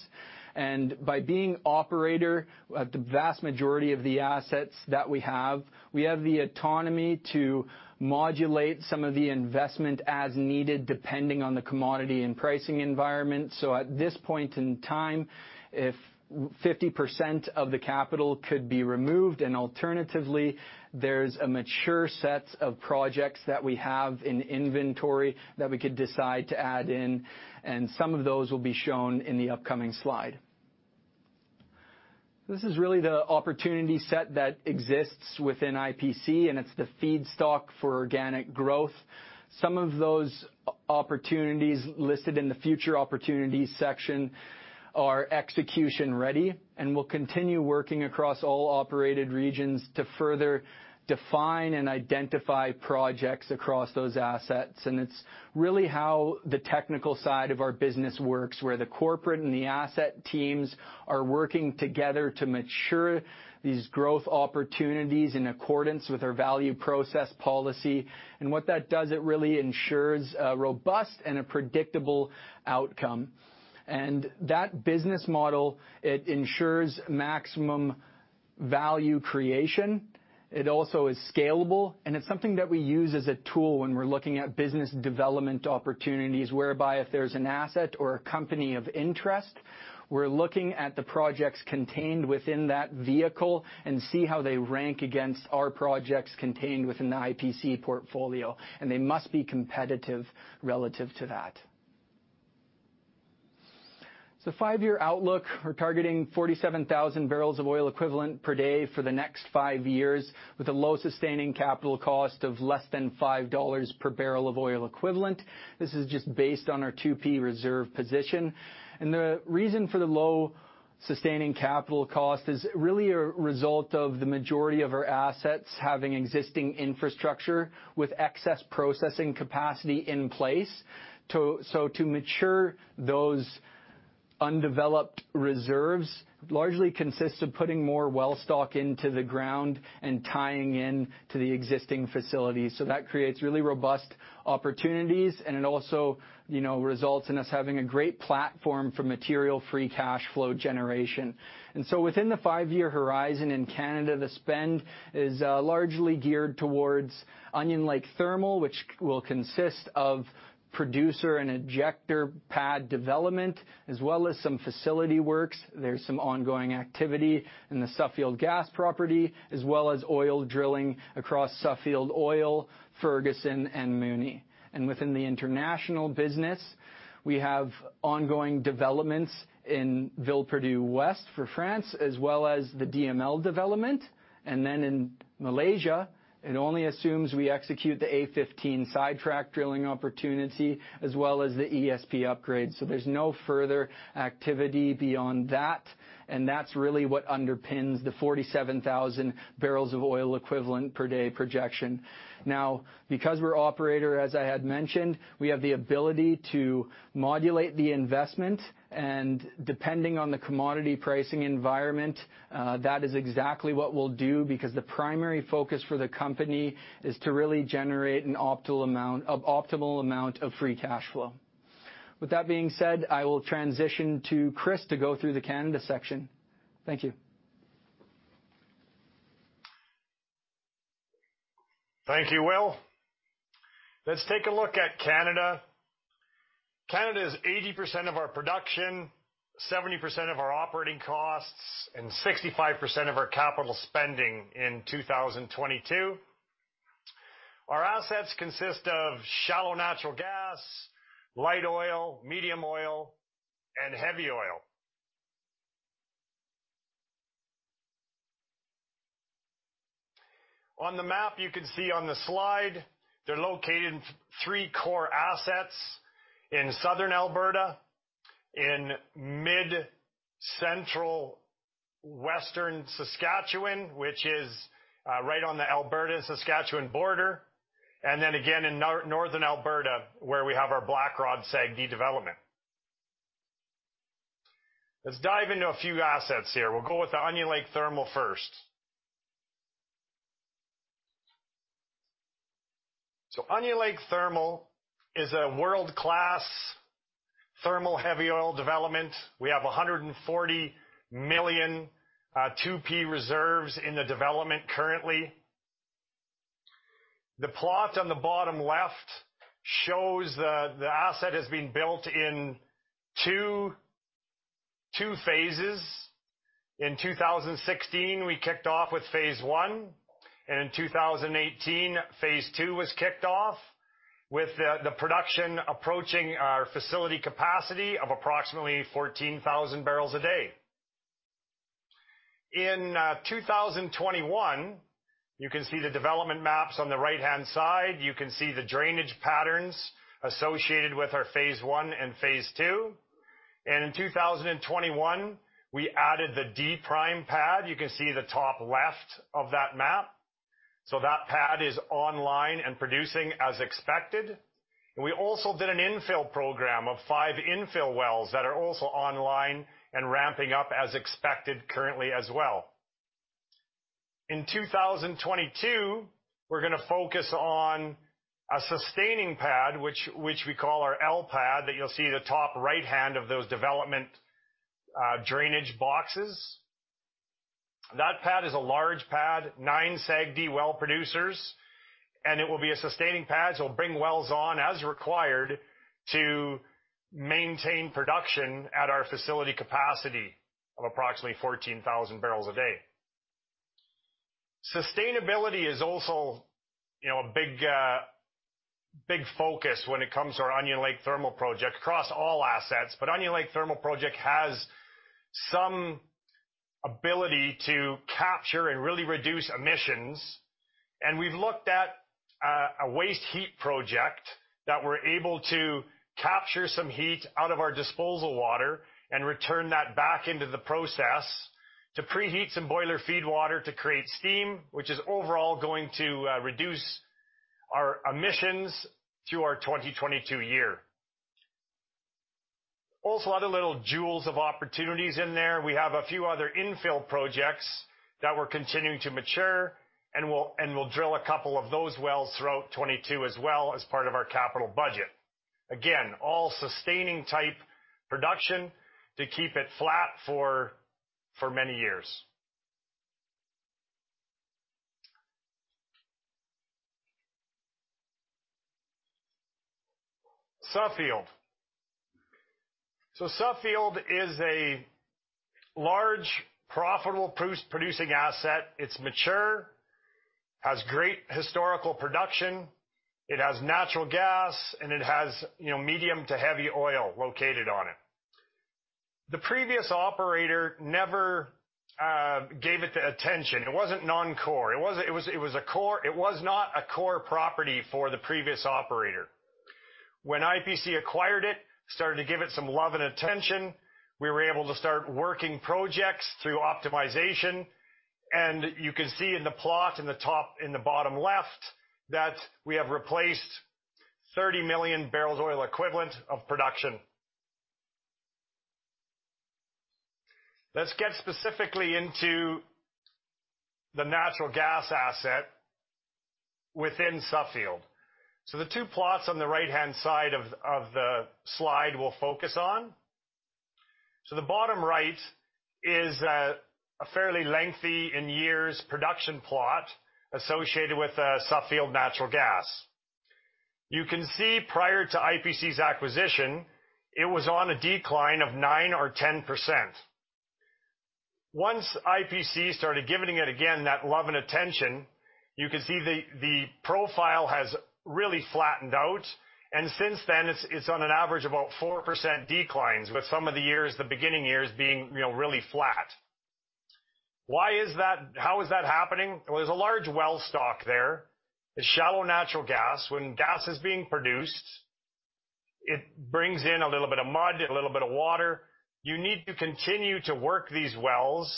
By being operator at the vast majority of the assets that we have, we have the autonomy to modulate some of the investment as needed, depending on the commodity and pricing environment. At this point in time, if 50% of the capital could be removed, and alternatively, there's a mature set of projects that we have in inventory that we could decide to add in, and some of those will be shown in the upcoming slide. This is really the opportunity set that exists within IPC, and it's the feedstock for organic growth. Some of those opportunities listed in the future opportunities section are execution ready, and we'll continue working across all operated regions to further define and identify projects across those assets. It's really how the technical side of our business works, where the corporate and the asset teams are working together to mature these growth opportunities in accordance with our value process policy. What that does, it really ensures a robust and a predictable outcome. That business model, it ensures maximum value creation. It also is scalable, and it's something that we use as a tool when we're looking at business development opportunities, whereby if there's an asset or a company of interest, we're looking at the projects contained within that vehicle and see how they rank against our projects contained within the IPC portfolio, and they must be competitive relative to that. Five-year outlook, we're targeting 47,000 barrels of oil equivalent per day for the next five years with a low sustaining capital cost of less than $5 per barrel of oil equivalent. This is just based on our 2P reserve position. The reason for the low sustaining capital cost is really a result of the majority of our assets having existing infrastructure with excess processing capacity in place. To mature those undeveloped reserves largely consists of putting more well stock into the ground and tying in to the existing facilities. That creates really robust opportunities, and it also, you know, results in us having a great platform for material free cash flow generation. Within the five-year horizon in Canada, the spend is largely geared towards Onion Lake Thermal, which will consist of producer and injector pad development, as well as some facility works. There's some ongoing activity in the Suffield gas property, as well as oil drilling across Suffield Oil, Ferguson, and Moonie. Within the international business, we have ongoing developments in Villeperdue West for France, as well as the DML development. In Malaysia, it only assumes we execute the A15 sidetrack drilling opportunity as well as the ESP upgrade. There's no further activity beyond that, and that's really what underpins the 47,000 barrels of oil equivalent per day projection. Now, because we're operator, as I had mentioned, we have the ability to modulate the investment, and depending on the commodity pricing environment, that is exactly what we'll do because the primary focus for the company is to really generate an optimal amount of free cash flow. With that being said, I will transition to Chris to go through the Canada section. Thank you. Thank you, Will. Let's take a look at Canada. Canada is 80% of our production, 70% of our operating costs, and 65% of our capital spending in 2022. Our assets consist of shallow natural gas, light oil, medium oil, and heavy oil. On the map you can see on the slide, they're located in three core assets in Southern Alberta, in Mid-Central Western Saskatchewan, which is right on the Alberta-Saskatchewan border, and then again in Northern Alberta, where we have our Blackrod SAGD development. Let's dive into a few assets here. We'll go with the Onion Lake thermal first. So Onion Lake thermal is a world-class thermal heavy oil development. We have 140 million 2P reserves in the development currently. The plot on the bottom left shows the asset has been built in two phases. In 2016, we kicked off with phase one, and in 2018, phase two was kicked off with the production approaching our facility capacity of approximately 14,000 barrels a day. In 2021, you can see the development maps on the right-hand side. You can see the drainage patterns associated with our phase one and phase two. In 2021, we added the D-pad. You can see the top left of that map. That pad is online and producing as expected. We also did an infill program of five infill wells that are also online and ramping up as expected currently as well. In 2022, we're gonna focus on a sustaining pad, which we call our L pad that you'll see the top right hand of those development drainage boxes. That pad is a large pad, 9 SAGD well producers, and it will be a sustaining pad, so it'll bring wells on as required to maintain production at our facility capacity of approximately 14,000 barrels a day. Sustainability is also, you know, a big focus when it comes to our Onion Lake thermal project across all assets. Onion Lake thermal project has some ability to capture and really reduce emissions. We've looked at a waste heat project that we're able to capture some heat out of our disposal water and return that back into the process to preheat some boiler feed water to create steam, which is overall going to reduce our emissions through our 2022 year. Also a lot of little jewels of opportunities in there. We have a few other infill projects that we're continuing to mature and we'll drill a couple of those wells throughout 2022 as well as part of our capital budget. Again, all sustaining type production to keep it flat for many years. Suffield is a large, profitable producing asset. It's mature, has great historical production, it has natural gas, and it has, you know, medium to heavy oil located on it. The previous operator never gave it the attention. It wasn't non-core. It was a core. It was not a core property for the previous operator. When IPC acquired it, started to give it some love and attention, we were able to start working projects through optimization. You can see in the plot in the top and the bottom left that we have replaced 30 million barrels oil equivalent of production. Let's get specifically into the natural gas asset within Suffield. The two plots on the right-hand side of the slide we'll focus on. The bottom right is a fairly lengthy, in years, production plot associated with Suffield natural gas. You can see prior to IPC's acquisition, it was on a decline of 9% or 10%. Once IPC started giving it again that love and attention, you can see the profile has really flattened out. Since then it's on an average about 4% declines, with some of the years, the beginning years being, you know, really flat. Why is that? How is that happening? Well, there's a large well stock there. The shallow natural gas. When gas is being produced, it brings in a little bit of mud, a little bit of water. You need to continue to work these wells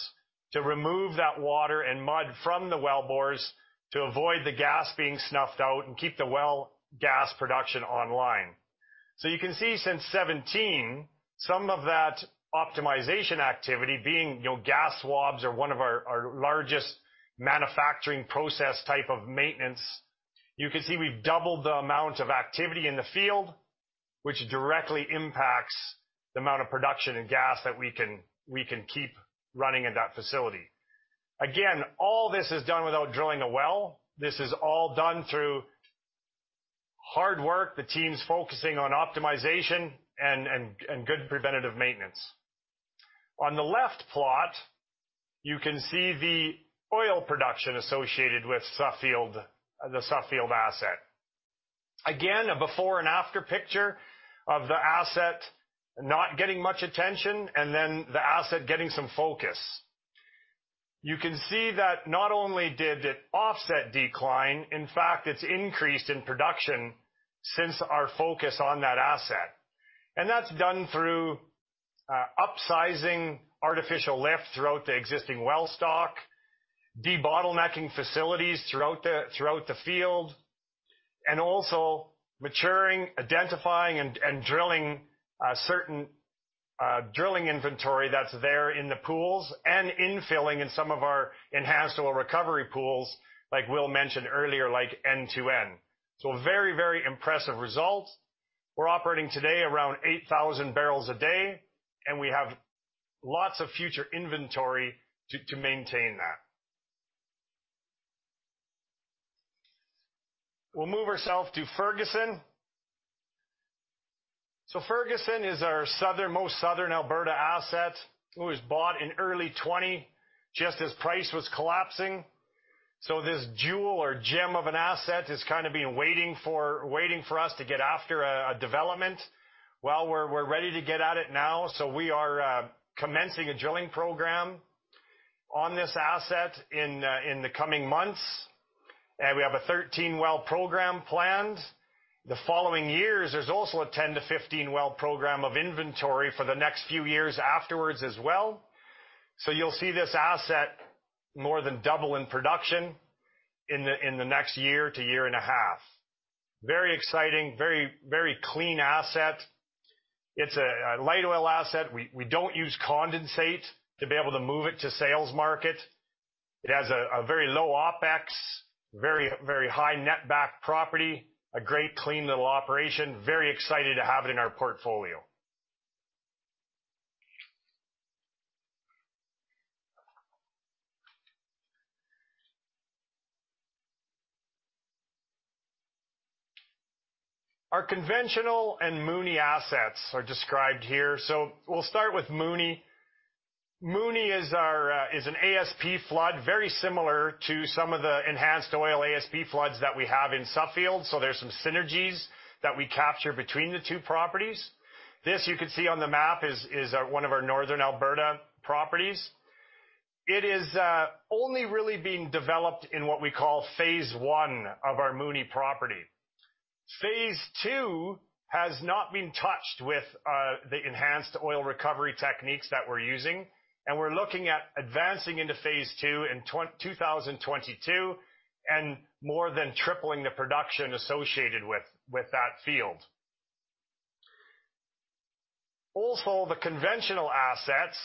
to remove that water and mud from the well bores to avoid the gas being snuffed out and keep the well gas production online. You can see since 2017, some of that optimization activity being, you know, gas swabs are one of our largest manufacturing process type of maintenance. You can see we've doubled the amount of activity in the field, which directly impacts the amount of production and gas that we can keep running at that facility. Again, all this is done without drilling a well. This is all done through hard work, the teams focusing on optimization and good preventative maintenance. On the left plot, you can see the oil production associated with Suffield, the Suffield asset. Again, a before and after picture of the asset not getting much attention, and then the asset getting some focus. You can see that not only did it offset decline, in fact, it's increased in production since our focus on that asset. That's done through upsizing artificial lift throughout the existing well stock, debottlenecking facilities throughout the field. Also maturing, identifying and drilling certain drilling inventory that's there in the pools and infilling in some of our enhanced oil recovery pools, like Will mentioned earlier, like N2N. Very, very impressive results. We're operating today around 8,000 barrels a day, and we have lots of future inventory to maintain that. We'll move ourself to Ferguson. Ferguson is our southern-most southern Alberta asset. It was bought in early 2020, just as price was collapsing. This jewel or gem of an asset has kind of been waiting for us to get after a development. Well, we're ready to get at it now, so we are commencing a drilling program on this asset in the coming months. We have a 13-well program planned. The following years, there's also a 10-15 well program of inventory for the next few years afterwards as well. You'll see this asset more than double in production in the next year to year and a half. Very exciting, very clean asset. It's a light oil asset. We don't use condensate to be able to move it to sales market. It has a very low OpEx, very, very high net back property, a great clean little operation, very excited to have it in our portfolio. Our conventional and Moonie assets are described here. We'll start with Moonie. Moonie is an ASP flood, very similar to some of the enhanced oil ASP floods that we have in Suffield, so there's some synergies that we capture between the two properties. This you can see on the map is one of our northern Alberta properties. It is only really being developed in what we call phase one of our Moonie property. Phase two has not been touched with the enhanced oil recovery techniques that we're using. We're looking at advancing into phase two in 2022, and more than tripling the production associated with that field. The conventional assets,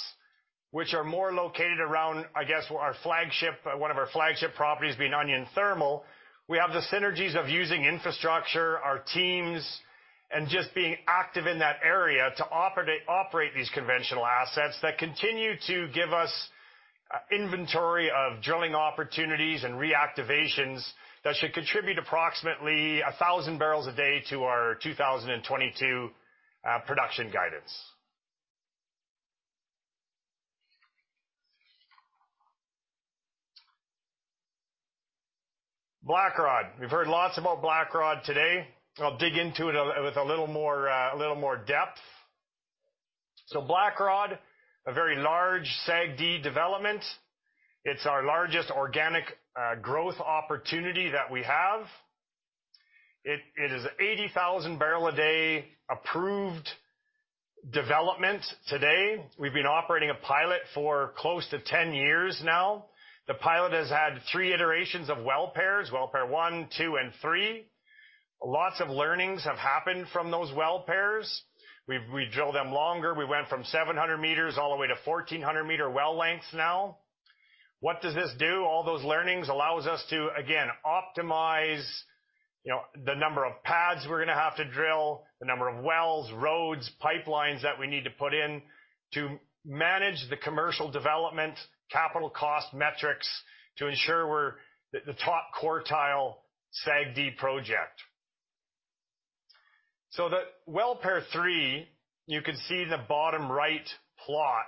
which are more located around, I guess, our flagship, one of our flagship properties being Onion Lake Thermal. We have the synergies of using infrastructure, our teams, and just being active in that area to operate these conventional assets that continue to give us inventory of drilling opportunities and reactivations that should contribute approximately 1,000 barrels a day to our 2022 production guidance. Blackrod. We've heard lots about Blackrod today. I'll dig into it with a little more depth. Blackrod, a very large SAGD development. It's our largest organic growth opportunity that we have. It is 80,000-barrel-a-day approved development today. We've been operating a pilot for close to 10 years now. The pilot has had three iterations of well pairs, well pair 1, 2, and 3. Lots of learnings have happened from those well pairs. We drill them longer. We went from 700 meters all the way to 1,400-meter well length now. What does this do? All those learnings allows us to, again, optimize, you know, the number of pads we're gonna have to drill, the number of wells, roads, pipelines that we need to put in to manage the commercial development, capital cost metrics to ensure we're the top quartile SAGD project. The well pair 3, you can see in the bottom right plot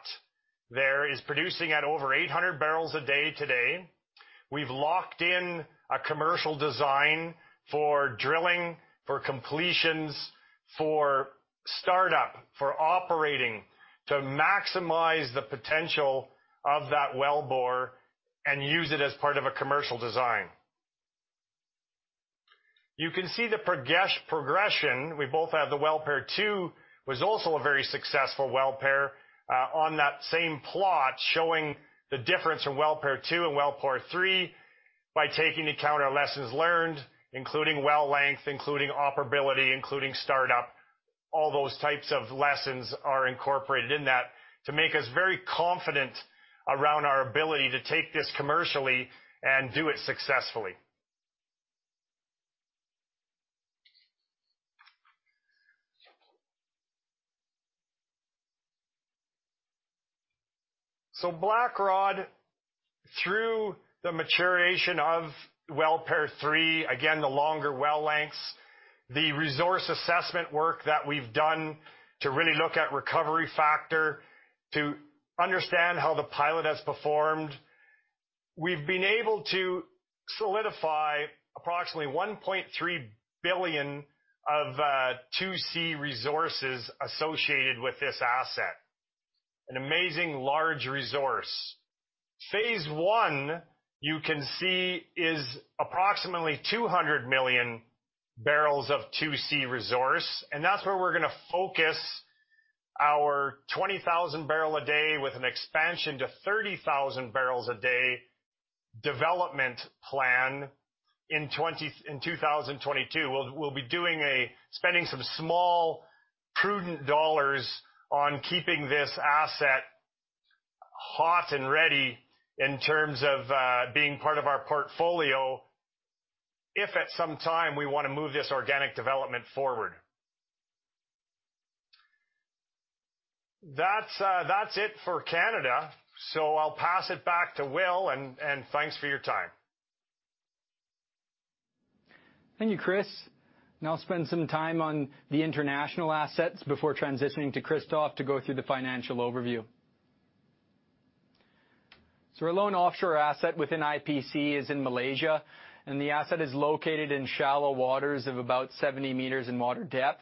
there, is producing at over 800 barrels a day today. We've locked in a commercial design for drilling, for completions, for startup, for operating to maximize the potential of that well bore and use it as part of a commercial design. You can see the progression. We also have the well pair two, was also a very successful well pair, on that same plot, showing the difference in well pair two and well pair three by taking into account our lessons learned, including well length, including operability, including startup. All those types of lessons are incorporated in that to make us very confident around our ability to take this commercially and do it successfully. Blackrod, through the maturation of well pair three, again, the longer well lengths, the resource assessment work that we've done to really look at recovery factor, to understand how the pilot has performed, we've been able to solidify approximately 1.3 billion 2C resources associated with this asset. An amazingly large resource. Phase one, you can see, is approximately 200 million barrels of 2C resource, and that's where we're gonna focus. Our 20,000 barrel a day with an expansion to 30,000 barrels a day development plan in 2022. We'll be spending some small prudent dollars on keeping this asset hot and ready in terms of being part of our portfolio if at some time we wanna move this organic development forward. That's it for Canada, so I'll pass it back to Will, and thanks for your time. Thank you, Chris. Now I'll spend some time on the international assets before transitioning to Christophe to go through the financial overview. Our lone offshore asset within IPC is in Malaysia, and the asset is located in shallow waters of about 70 meters in water depth.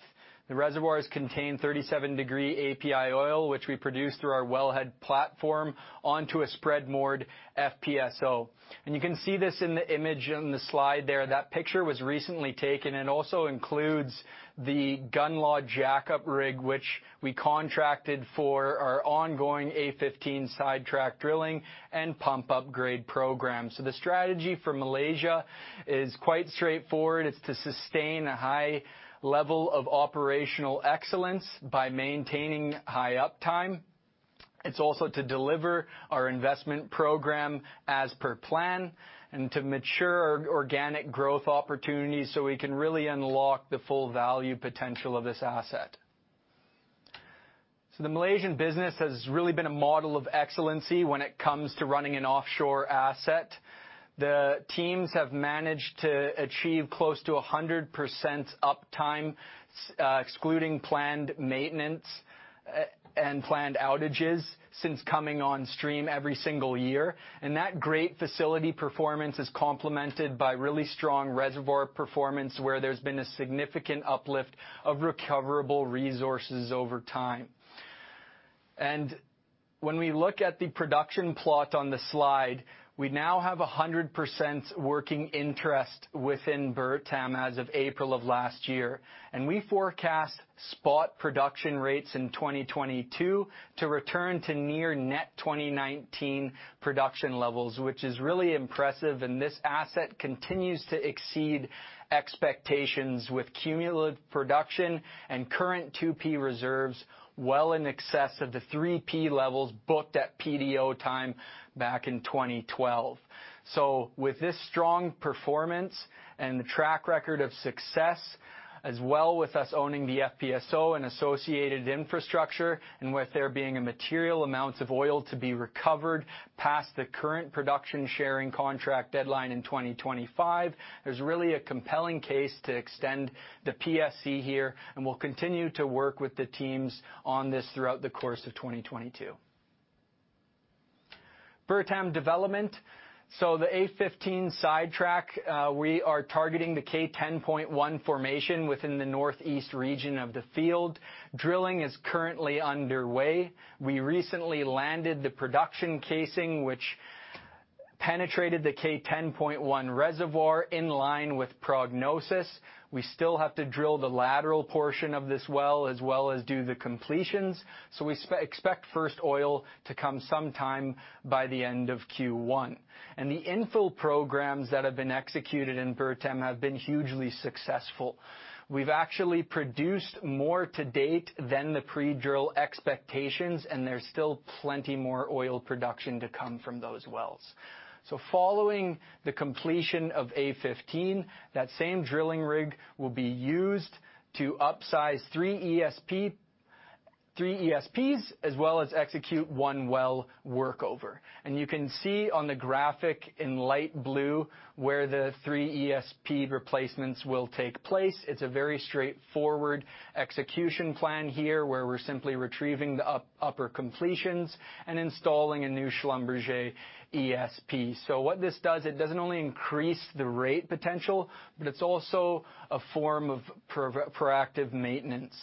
The reservoirs contain 37-degree API oil which we produce through our wellhead platform onto a spread moored FPSO. You can see this in the image on the slide there. That picture was recently taken and also includes the Gunnlod jackup rig which we contracted for our ongoing A15 sidetrack drilling and pump upgrade program. The strategy for Malaysia is quite straightforward. It's to sustain a high level of operational excellence by maintaining high uptime. It's also to deliver our investment program as per plan and to mature organic growth opportunities, so we can really unlock the full value potential of this asset. The Malaysian business has really been a model of excellence when it comes to running an offshore asset. The teams have managed to achieve close to 100% uptime, excluding planned maintenance and planned outages since coming on stream every single year. That great facility performance is complemented by really strong reservoir performance where there's been a significant uplift of recoverable resources over time. When we look at the production plot on the slide, we now have 100% working interest within Bertam as of April of last year. We forecast spot production rates in 2022 to return to near net 2019 production levels, which is really impressive. This asset continues to exceed expectations with cumulative production and current 2P reserves well in excess of the 3P levels booked at PDO time back in 2012. With this strong performance and the track record of success, as well with us owning the FPSO and associated infrastructure, and with there being a material amounts of oil to be recovered past the current production sharing contract deadline in 2025, there's really a compelling case to extend the PSC here. We'll continue to work with the teams on this throughout the course of 2022. Bertam development. The A15 sidetrack, we are targeting the K10.1 formation within the northeast region of the field. Drilling is currently underway. We recently landed the production casing which penetrated the K10.1 reservoir in line with prognosis. We still have to drill the lateral portion of this well, as well as do the completions. We expect first oil to come sometime by the end of Q1. The infill programs that have been executed in Bertam have been hugely successful. We've actually produced more to date than the pre-drill expectations, and there's still plenty more oil production to come from those wells. Following the completion of A15, that same drilling rig will be used to upsize three ESPs as well as execute one well workover. You can see on the graphic in light blue where the three ESP replacements will take place. It's a very straightforward execution plan here, where we're simply retrieving the upper completions and installing a new Schlumberger ESP. What this does, it doesn't only increase the rate potential, but it's also a form of proactive maintenance.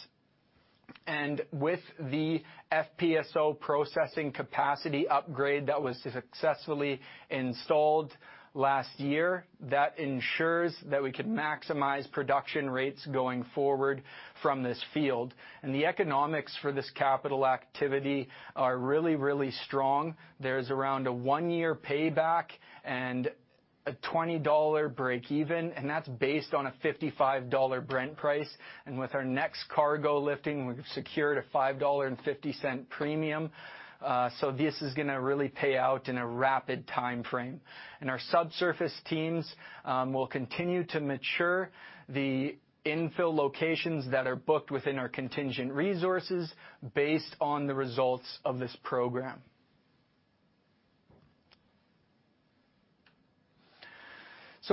With the FPSO processing capacity upgrade that was successfully installed last year, that ensures that we can maximize production rates going forward from this field. The economics for this capital activity are really, really strong. There's around a 1-year payback and a $20 break even, and that's based on a $55 Brent price. With our next cargo lifting, we've secured a $5.50 premium, so this is gonna really pay out in a rapid timeframe. Our subsurface teams will continue to mature the infill locations that are booked within our contingent resources based on the results of this program.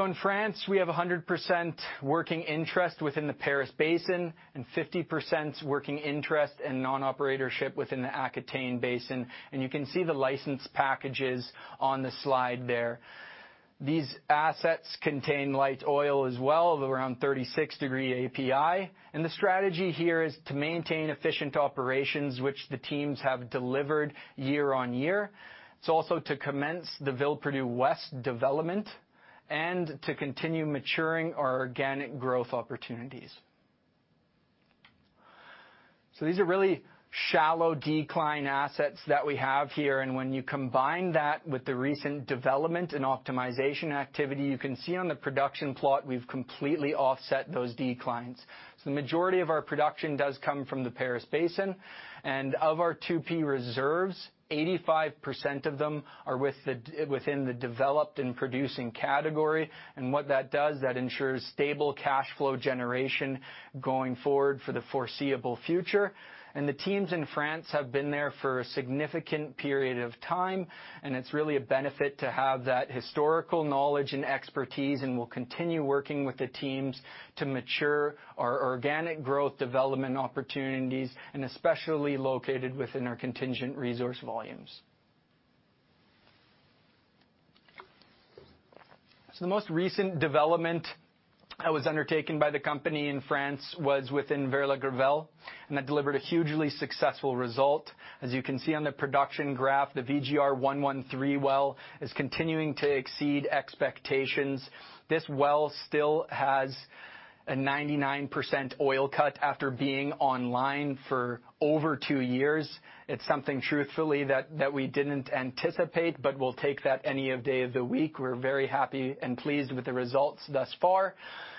In France, we have a 100% working interest within the Paris Basin and 50% working interest and non-operatorship within the Aquitaine Basin. You can see the license packages on the slide there. These assets contain light oil as well, of around 36-degree API. The strategy here is to maintain efficient operations which the teams have delivered year on year. It's also to commence the Villeperdue West development to continue maturing our organic growth opportunities. These are really shallow decline assets that we have here, and when you combine that with the recent development and optimization activity, you can see on the production plot, we've completely offset those declines. The majority of our production does come from the Paris Basin. Of our 2P reserves, 85% of them are within the developed and producing category. What that does, that ensures stable cash flow generation going forward for the foreseeable future. The teams in France have been there for a significant period of time, and it's really a benefit to have that historical knowledge and expertise, and we'll continue working with the teams to mature our organic growth development opportunities, and especially located within our contingent resource volumes. The most recent development that was undertaken by the company in France was within Vert-la-Gravelle, and that delivered a hugely successful result. As you can see on the production graph, the VGR-113 well is continuing to exceed expectations. This well still has a 99% oil cut after being online for over two years. It's something truthfully that we didn't anticipate, but we'll take that any day of the week. We're very happy and pleased with the results thus far,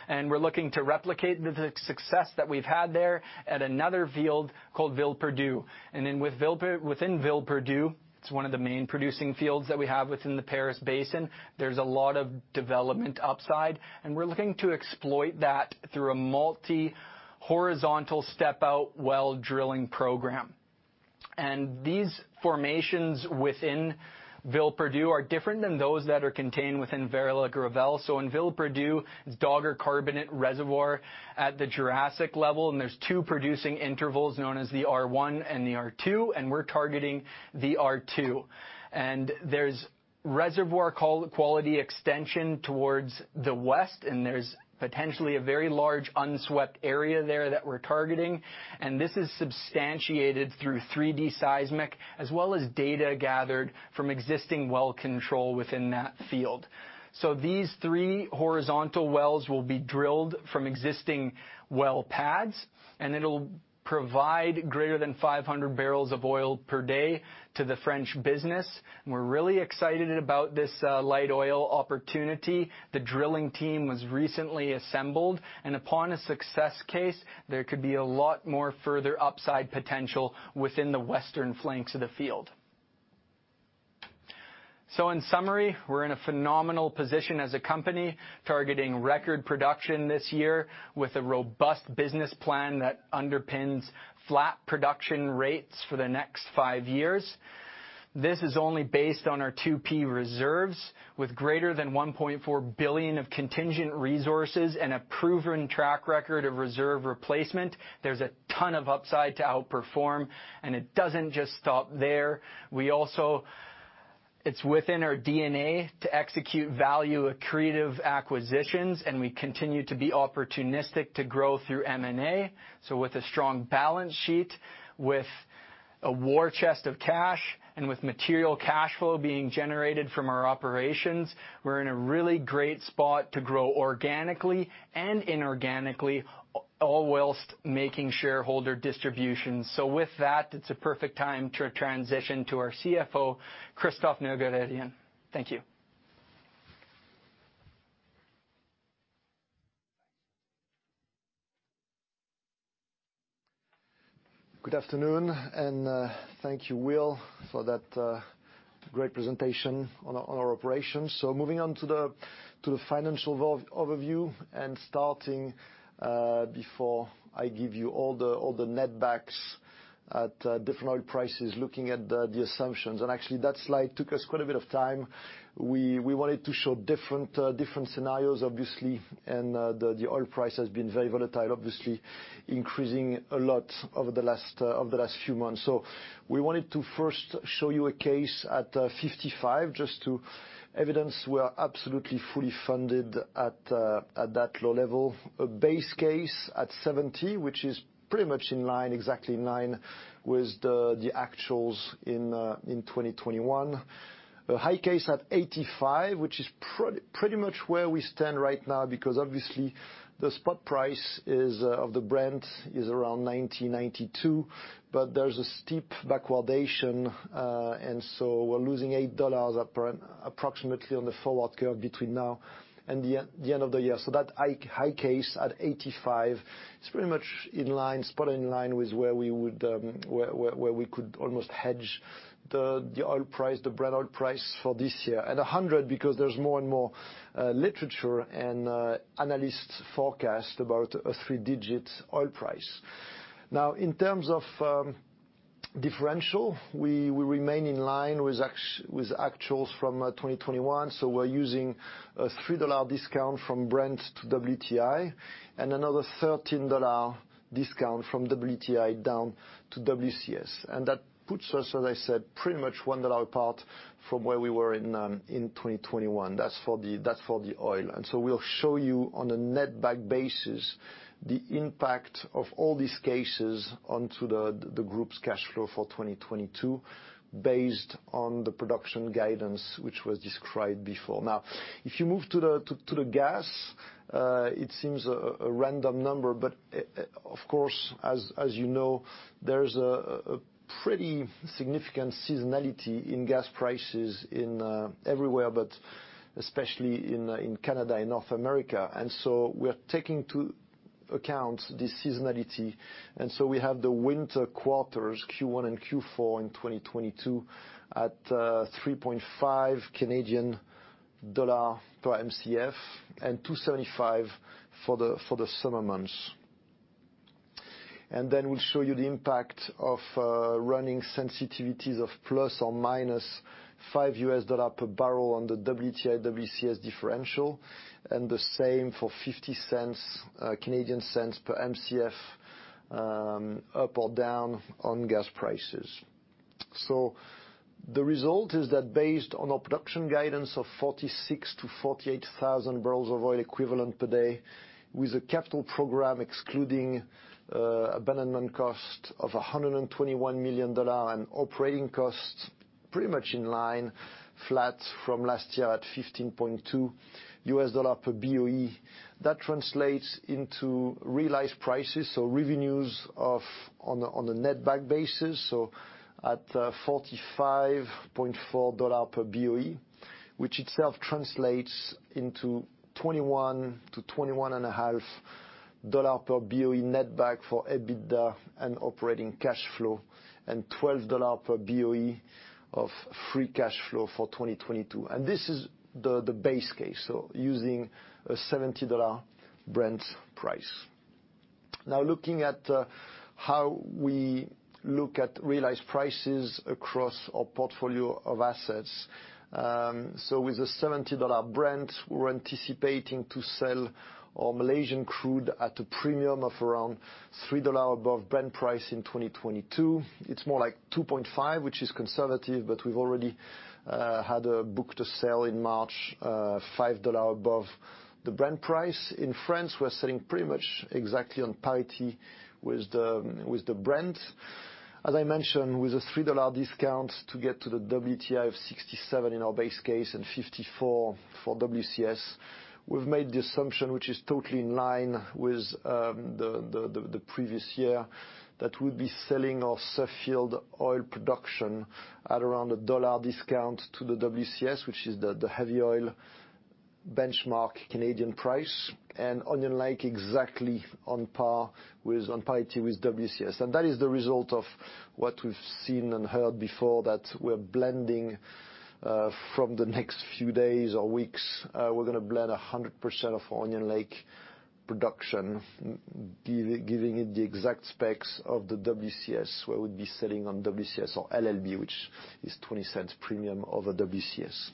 and we're looking to replicate the success that we've had there at another field called Villeperdue. With Villeperdue, it's one of the main producing fields that we have within the Paris Basin. There's a lot of development upside, and we're looking to exploit that through a multi-horizontal step-out well drilling program. These formations within Villeperdue are different than those that are contained within Vert-la-Gravelle. In Villeperdue, it's Dogger carbonate reservoir at the Jurassic level, and there's two producing intervals known as the R1 and the R2, and we're targeting the R2. There's reservoir quality extension towards the west, and there's potentially a very large unswept area there that we're targeting, and this is substantiated through 3D seismic as well as data gathered from existing well control within that field. These three horizontal wells will be drilled from existing well pads, and it'll provide greater than 500 barrels of oil per day to the French business. We're really excited about this light oil opportunity. The drilling team was recently assembled, and upon a success case, there could be a lot more further upside potential within the western flanks of the field. In summary, we're in a phenomenal position as a company, targeting record production this year with a robust business plan that underpins flat production rates for the next 5 years. This is only based on our 2P reserves. With greater than 1.4 billion of contingent resources and a proven track record of reserve replacement, there's a ton of upside to outperform. It doesn't just stop there. It's within our DNA to execute value-accretive acquisitions, and we continue to be opportunistic to grow through M&A. With a strong balance sheet, with a war chest of cash, and with material cash flow being generated from our operations, we're in a really great spot to grow organically and inorganically all while making shareholder distributions. With that, it's a perfect time to transition to our CFO, Christophe Nerguararian. Thank you. Good afternoon, thank you, Will, for that great presentation on our operations. Moving on to the financial overview, and starting before I give you all the netbacks at different oil prices, looking at the assumptions. Actually, that slide took us quite a bit of time. We wanted to show different scenarios, obviously, and the oil price has been very volatile, obviously, increasing a lot over the last few months. We wanted to first show you a case at $55, just to evidence we are absolutely fully funded at that low level. A base case at $70, which is pretty much in line, exactly in line, with the actuals in 2021. A high case at $85, which is pretty much where we stand right now because obviously the spot price of the Brent is around $90-$92, but there's a steep backwardation, and we're losing $8 approximately on the forward curve between now and the end of the year. That high case at $85 is pretty much in line, spot in line with where we could almost hedge the oil price, the Brent oil price for this year. At $100 because there's more and more literature and analysts forecast about a three-digit oil price. Now in terms of differential, we remain in line with actuals from 2021, so we're using a $3 discount from Brent to WTI and another $13 discount from WTI down to WCS. That puts us, as I said, pretty much $1 apart from where we were in 2021. That's for the oil. We'll show you on a netback basis the impact of all these cases onto the group's cash flow for 2022 based on the production guidance which was described before. If you move to the gas, it seems a random number, but of course, as you know, there's a pretty significant seasonality in gas prices in everywhere but especially in Canada, in North America. We're taking into account the seasonality. We have the winter quarters Q1 and Q4 in 2022 at 3.5 Canadian dollar per Mcf and 2.75 for the summer months. We'll show you the impact of running sensitivities of ±$5 per barrel on the WTI, WCS differential, and the same for 0.50 per Mcf, up or down on gas prices. The result is that based on our production guidance of 46,000-48,000 barrels of oil equivalent per day, with a capital program excluding abandonment cost of $121 million and operating costs pretty much in line flat from last year at $15.2 per BOE. That translates into realized prices, so revenues of, on a net back basis, so at $45.4 per BOE, which itself translates into $21-$21.5 per BOE net back for EBITDA and operating cash flow and $12 per BOE of free cash flow for 2022. This is the base case, so using a $70 Brent price. Now looking at how we look at realized prices across our portfolio of assets. So with a $70 Brent, we're anticipating to sell our Malaysian crude at a premium of around $3 above Brent price in 2022. It's more like $2.5, which is conservative, but we've already had a book to sell in March, $5 above the Brent price. In France, we're selling pretty much exactly on parity with the Brent. As I mentioned, with a $3 discount to get to the WTI of $67 in our base case and $54 for WCS. We've made the assumption, which is totally in line with the previous year, that we'll be selling our Suffield oil production at around a $1 discount to the WCS, which is the heavy oil benchmark Canadian price. Onion Lake exactly on parity with WCS. That is the result of what we've seen and heard before that we're blending from the next few days or weeks. We're gonna blend 100% of Onion Lake production giving it the exact specs of the WCS, where we'll be selling on WCS or LLB, which is $0.20 premium over WCS.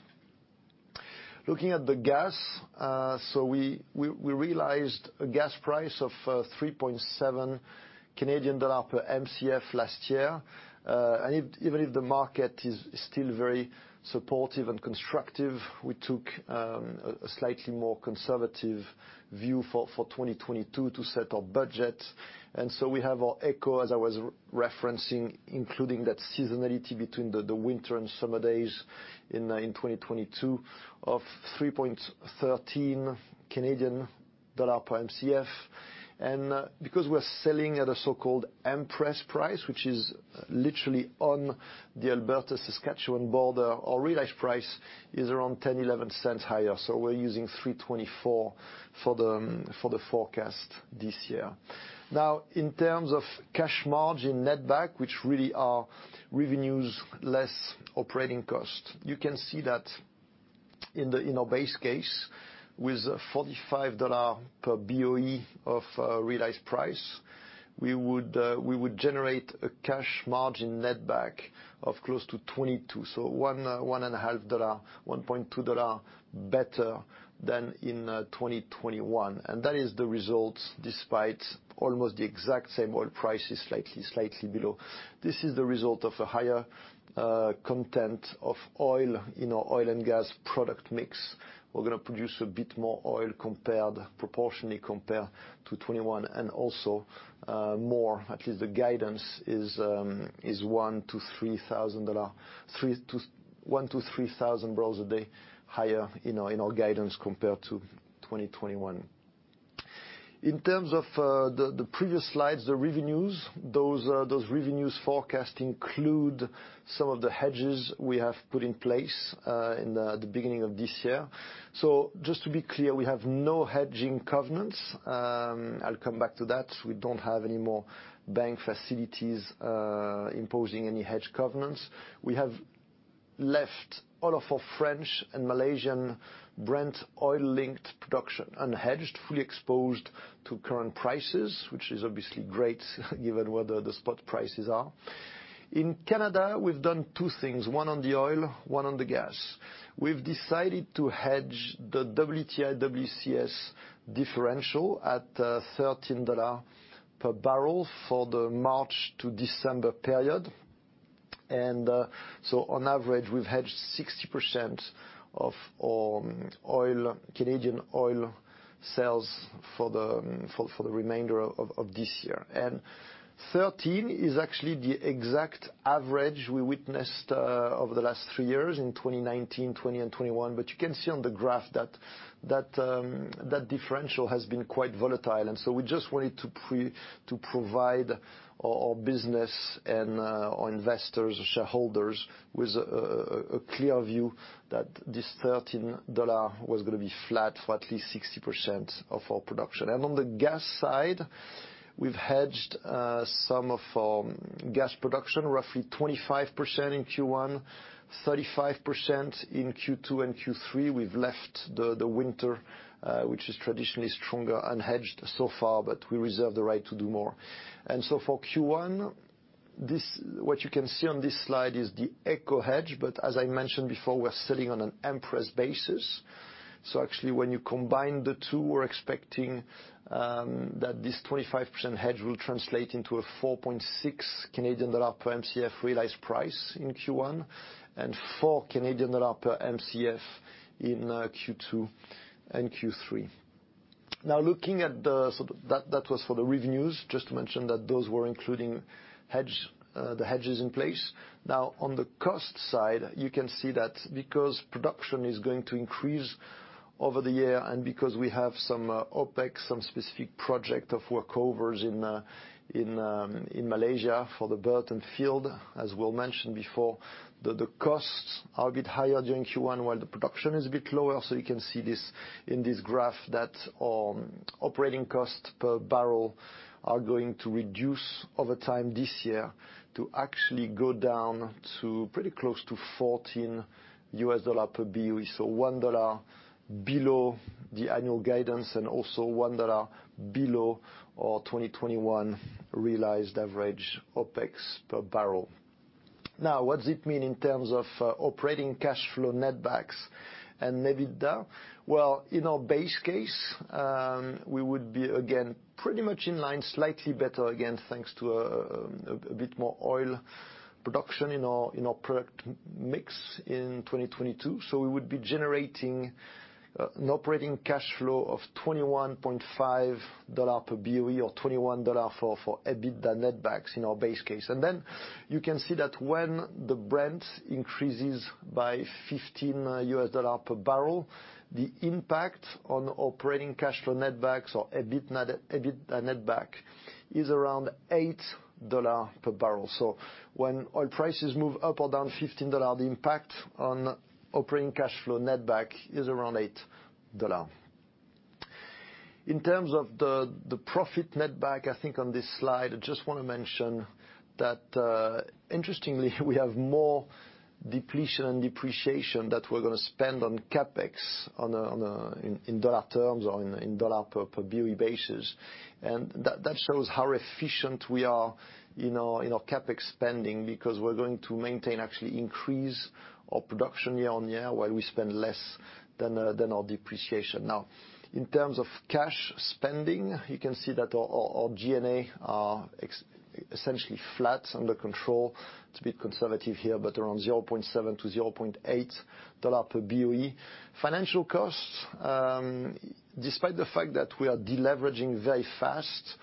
Looking at the gas, we realized a gas price of 3.7 Canadian dollar per Mcf last year. Even if the market is still very supportive and constructive, we took a slightly more conservative view for 2022 to set our budget. We have our AECO, as I was referencing, including that seasonality between the winter and summer days in 2022 of 3.13 Canadian dollar per Mcf. Because we're selling at a so-called Empress price, which is literally on the Alberta-Saskatchewan border, our realized price is around 0.10, 0.11 higher. We're using 3.24 for the forecast this year. Now in terms of cash margin netback, which really are revenues less operating costs. You can see that in our base case with a $45 per BOE realized price, we would generate a cash margin net back of close to $22. One point two dollar better than in 2021. That is the results despite almost the exact same oil prices slightly below. This is the result of a higher content of oil in our oil and gas product mix. We're going to produce a bit more oil proportionally compared to 2021 and also more, at least the guidance is 1,000-3,000 barrels a day higher in our guidance compared to 2021. In terms of the previous slides, the revenues, those revenues forecast include some of the hedges we have put in place in the beginning of this year. Just to be clear, we have no hedging covenants. I'll come back to that. We don't have any more bank facilities imposing any hedge covenants. We have left all of our French and Malaysian Brent oil-linked production unhedged, fully exposed to current prices, which is obviously great given what the spot prices are. In Canada, we've done two things, one on the oil, one on the gas. We've decided to hedge the WTI, WCS differential at $13 per barrel for the March to December period. On average, we've hedged 60% of our oil, Canadian oil sales for the remainder of this year. 13 is actually the exact average we witnessed over the last three years in 2019, 2020 and 2021. But you can see on the graph that that differential has been quite volatile. We just wanted to provide our business and our investors or shareholders with a clear view that this $13 was gonna be flat for at least 60% of our production. On the gas side, we've hedged some of our gas production, roughly 25% in Q1, 35% in Q2 and Q3. We've left the winter, which is traditionally stronger unhedged so far, but we reserve the right to do more. For Q1, what you can see on this slide is the AECO hedge, but as I mentioned before, we're sitting on an Empress basis. Actually when you combine the two, we're expecting that this 25% hedge will translate into a 4.6 Canadian dollar per Mcf realized price in Q1, and 4 Canadian dollar per Mcf in Q2 and Q3. That was for the revenues. Just to mention that those were including the hedges in place. Now, on the cost side, you can see that because production is going to increase over the year, and because we have some OpEx, some specific project of workovers in Malaysia for the Bertam field, as well mentioned before, the costs are a bit higher during Q1 while the production is a bit lower. You can see this in this graph that operating costs per barrel are going to reduce over time this year to actually go down to pretty close to $14 per BOE. $1 below the annual guidance and also $1 below our 2021 realized average OpEx per barrel. Now what does it mean in terms of operating cash flow netbacks and EBITDA? Well, in our base case, we would be again pretty much in line, slightly better again, thanks to a bit more oil production in our product mix in 2022. We would be generating an operating cash flow of $21.5 per BOE or $21 for EBITDA netbacks in our base case. You can see that when the Brent increases by 15 $ per barrel, the impact on operating cash flow netbacks or EBITDA netback is around $8 per barrel. When oil prices move up or down 15 $, the impact on operating cash flow netback is around $8. In terms of the profit netback, I think on this slide, I just want to mention that, interestingly, we have more depletion and depreciation that we're going to spend on CapEx in dollar terms or on a dollar per BOE basis. That shows how efficient we are in our CapEx spending because we're going to maintain, actually increase our production year on year while we spend less than our depreciation. Now, in terms of cash spending, you can see that our G&A are essentially flat, under control. It's a bit conservative here, but around $0.7-$0.8 per BOE. Financial costs, despite the fact that we are de-leveraging very fast,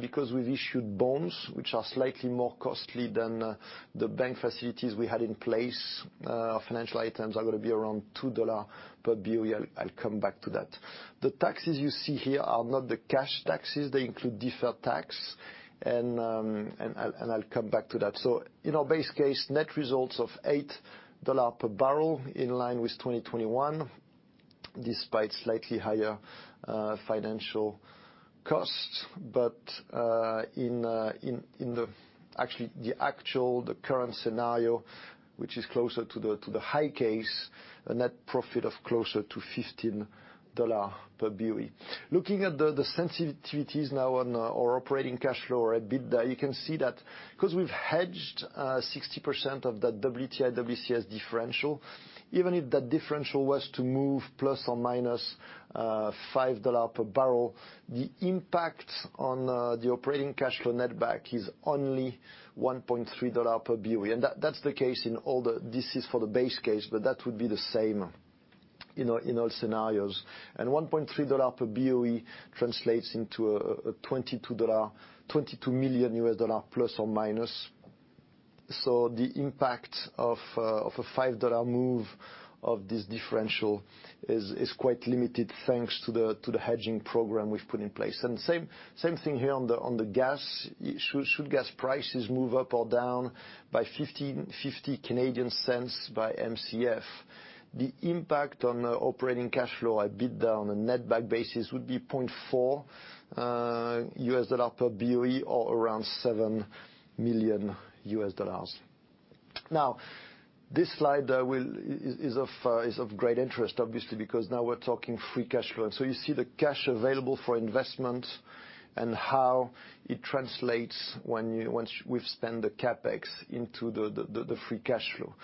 because we've issued bonds, which are slightly more costly than the bank facilities we had in place, our financial items are gonna be around $2 per BOE. I'll come back to that. The taxes you see here are not the cash taxes. They include deferred tax and I'll come back to that. In our base case, net results of $8 per barrel, in line with 2021, despite slightly higher financial costs. In the actual current scenario, which is closer to the high case, a net profit of closer to $15 per BOE. Looking at the sensitivities now on our operating cash flow or EBITDA, you can see that because we've hedged 60% of that WTI, WCS differential, even if that differential was to move ± $5 per barrel, the impact on the operating cash flow netback is only $1.3 per BOE. That's the case in all scenarios. This is for the base case, but that would be the same in all scenarios. $1.3 per BOE translates into a ±$22 million. The impact of a $5 move of this differential is quite limited, thanks to the hedging program we've put in place. Same thing here on the gas. Should gas prices move up or down by 0.50 per Mcf, the impact on operating cash flow at EBITDA on a net back basis would be 0.4 $ per BOE or around $7 million. Now this slide is of great interest obviously, because now we're talking free cash flow. You see the cash available for investment and how it translates when we've spent the CapEx into the free cash flow.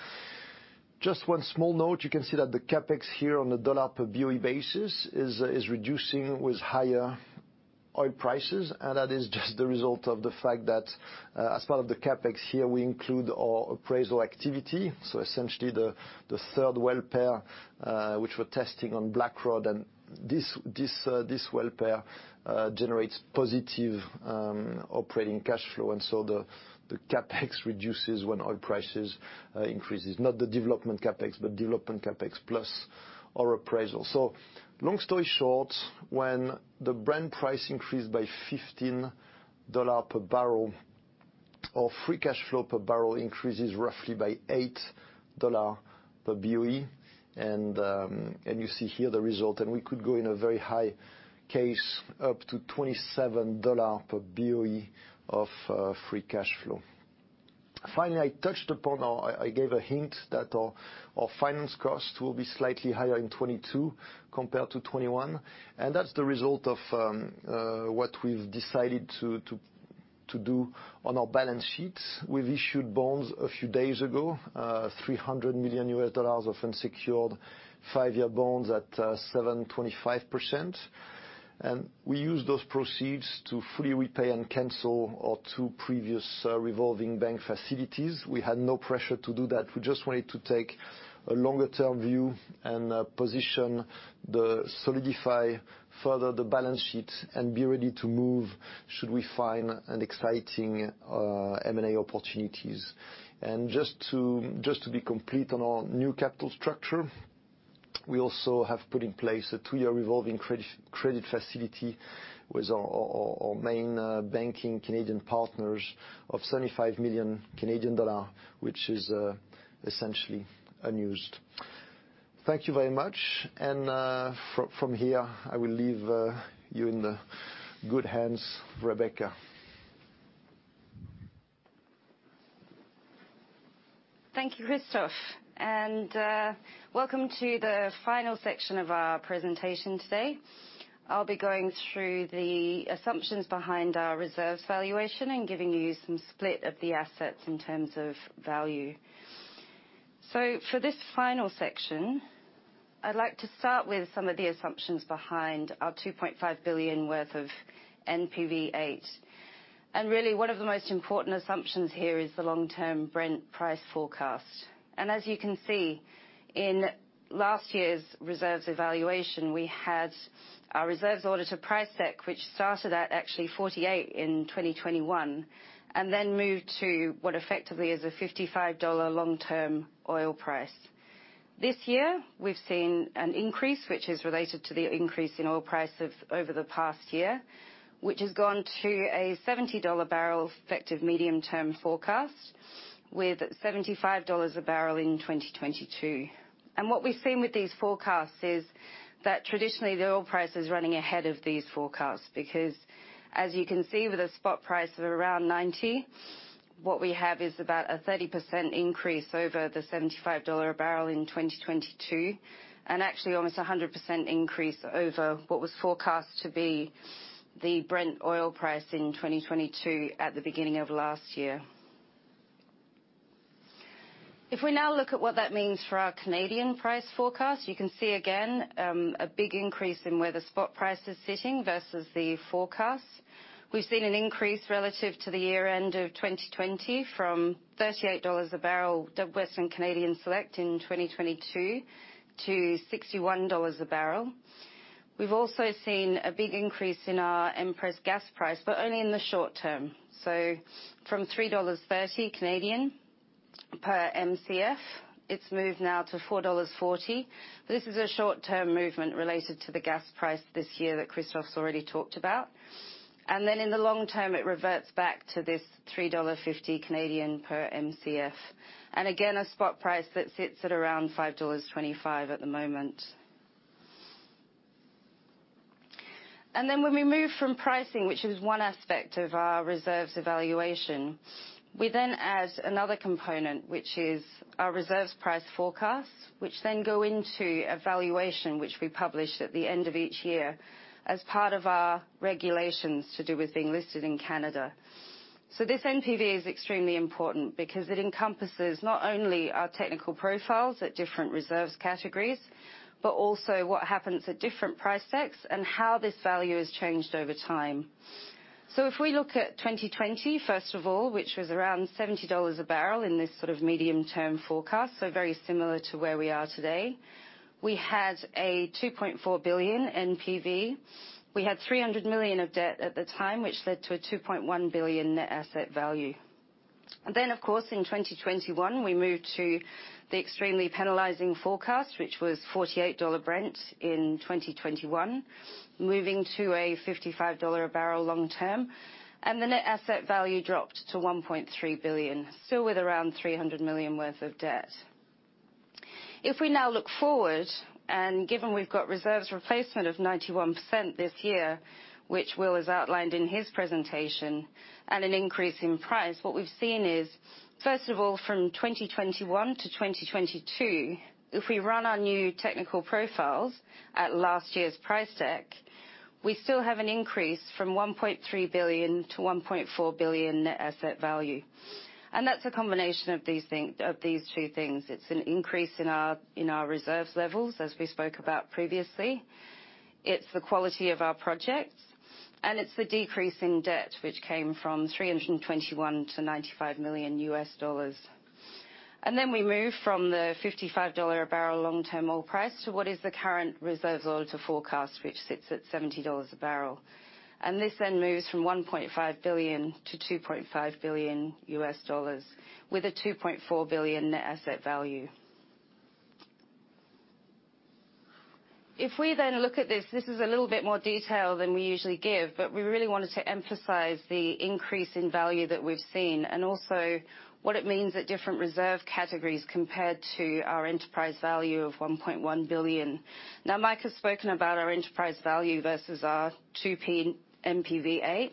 Just one small note. You can see that the CapEx here on the dollar per BOE basis is reducing with higher oil prices. That is just the result of the fact that, as part of the CapEx here, we include our appraisal activity. Essentially the third well pair, which we're testing on Blackrod. This well pair generates positive operating cash flow. The CapEx reduces when oil prices increases. Not the development CapEx, but development CapEx plus our appraisal. Long story short, when the Brent price increased by $15 per barrel, our free cash flow per barrel increases roughly by $8 per BOE. You see here the result. We could go in a very high case up to $27 per BOE of free cash flow. Finally, I touched upon or I gave a hint that our finance cost will be slightly higher in 2022 compared to 2021. That's the result of what we've decided to do on our balance sheets. We've issued bonds a few days ago, $300 million of unsecured 5-year bonds at 7.25%. We use those proceeds to fully repay and cancel our two previous revolving bank facilities. We had no pressure to do that. We just wanted to take a longer term view and solidify further the balance sheet and be ready to move should we find an exciting M&A opportunities. Just to be complete on our new capital structure, we also have put in place a two-year revolving credit facility with our main Canadian banking partners of 75 million Canadian dollars, which is essentially unused. Thank you very much. From here, I will leave you in the good hands of Rebecca. Thank you, Christophe. Welcome to the final section of our presentation today. I'll be going through the assumptions behind our reserves valuation and giving you some split of the assets in terms of value. For this final section, I'd like to start with some of the assumptions behind our $2.5 billion worth of NPV8. Really, one of the most important assumptions here is the long-term Brent price forecast. As you can see, in last year's reserves evaluation, we had our reserves audit to price deck, which started at actually $48 in 2021, and then moved to what effectively is a $55 long-term oil price. This year, we've seen an increase, which is related to the increase in oil prices over the past year, which has gone to a $70 barrel effective medium term forecast with $75 a barrel in 2022. What we've seen with these forecasts is that traditionally, the oil price is running ahead of these forecasts because as you can see with the spot price of around $90, what we have is about a 30% increase over the $75 a barrel in 2022. Actually almost a 100% increase over what was forecast to be the Brent oil price in 2022 at the beginning of last year. If we now look at what that means for our Canadian price forecast, you can see again, a big increase in where the spot price is sitting versus the forecast. We've seen an increase relative to the year-end of 2020 from $38 a barrel of Western Canadian Select in 2022 to $61 a barrel. We've also seen a big increase in our Empress gas price, but only in the short-term. From 3.30 Canadian dollars per Mcf, it's moved now to 4.40 dollars. This is a short-term movement related to the gas price this year that Christophe's already talked about. In the long term, it reverts back to this 3.50 Canadian dollars per Mcf. Again, a spot price that sits at around 5.25 dollars at the moment. When we move from pricing, which is one aspect of our reserves evaluation, we then add another component, which is our reserves price forecast. Which then go into a valuation, which we publish at the end of each year as part of our regulations to do with being listed in Canada. This NPV is extremely important because it encompasses not only our technical profiles at different reserves categories, but also what happens at different price decks and how this value has changed over time. If we look at 2020, first of all, which was around $70 a barrel in this sort of medium term forecast, very similar to where we are today. We had a $2.4 billion NPV. We had $300 million of debt at the time, which led to a $2.1 billion net asset value. Of course, in 2021, we moved to the extremely penalizing forecast, which was $48 Brent in 2021, moving to a $55 a barrel long term, and the net asset value dropped to $1.3 billion, still with around $300 million of debt. If we now look forward, and given we've got reserves replacement of 91% this year, which Will has outlined in his presentation at an increase in price, what we've seen is, first of all, from 2021 to 2022, if we run our new technical profiles at last year's price deck, we still have an increase from $1.3 billion to $1.4 billion net asset value. That's a combination of these thing, of these two things. It's an increase in our reserves levels as we spoke about previously. It's the quality of our projects, and it's the decrease in debt, which came from $321 million to $95 million. Then we move from the $55 a barrel long-term oil price to what is the current reserves report forecast, which sits at $70 a barrel. This then moves from $1.5 billion to $2.5 billion with a $2.4 billion net asset value. If we then look at this is a little bit more detail than we usually give, but we really wanted to emphasize the increase in value that we've seen and also what it means at different reserve categories compared to our enterprise value of $1.1 billion. Now, Mike has spoken about our enterprise value versus our 2P NPV8.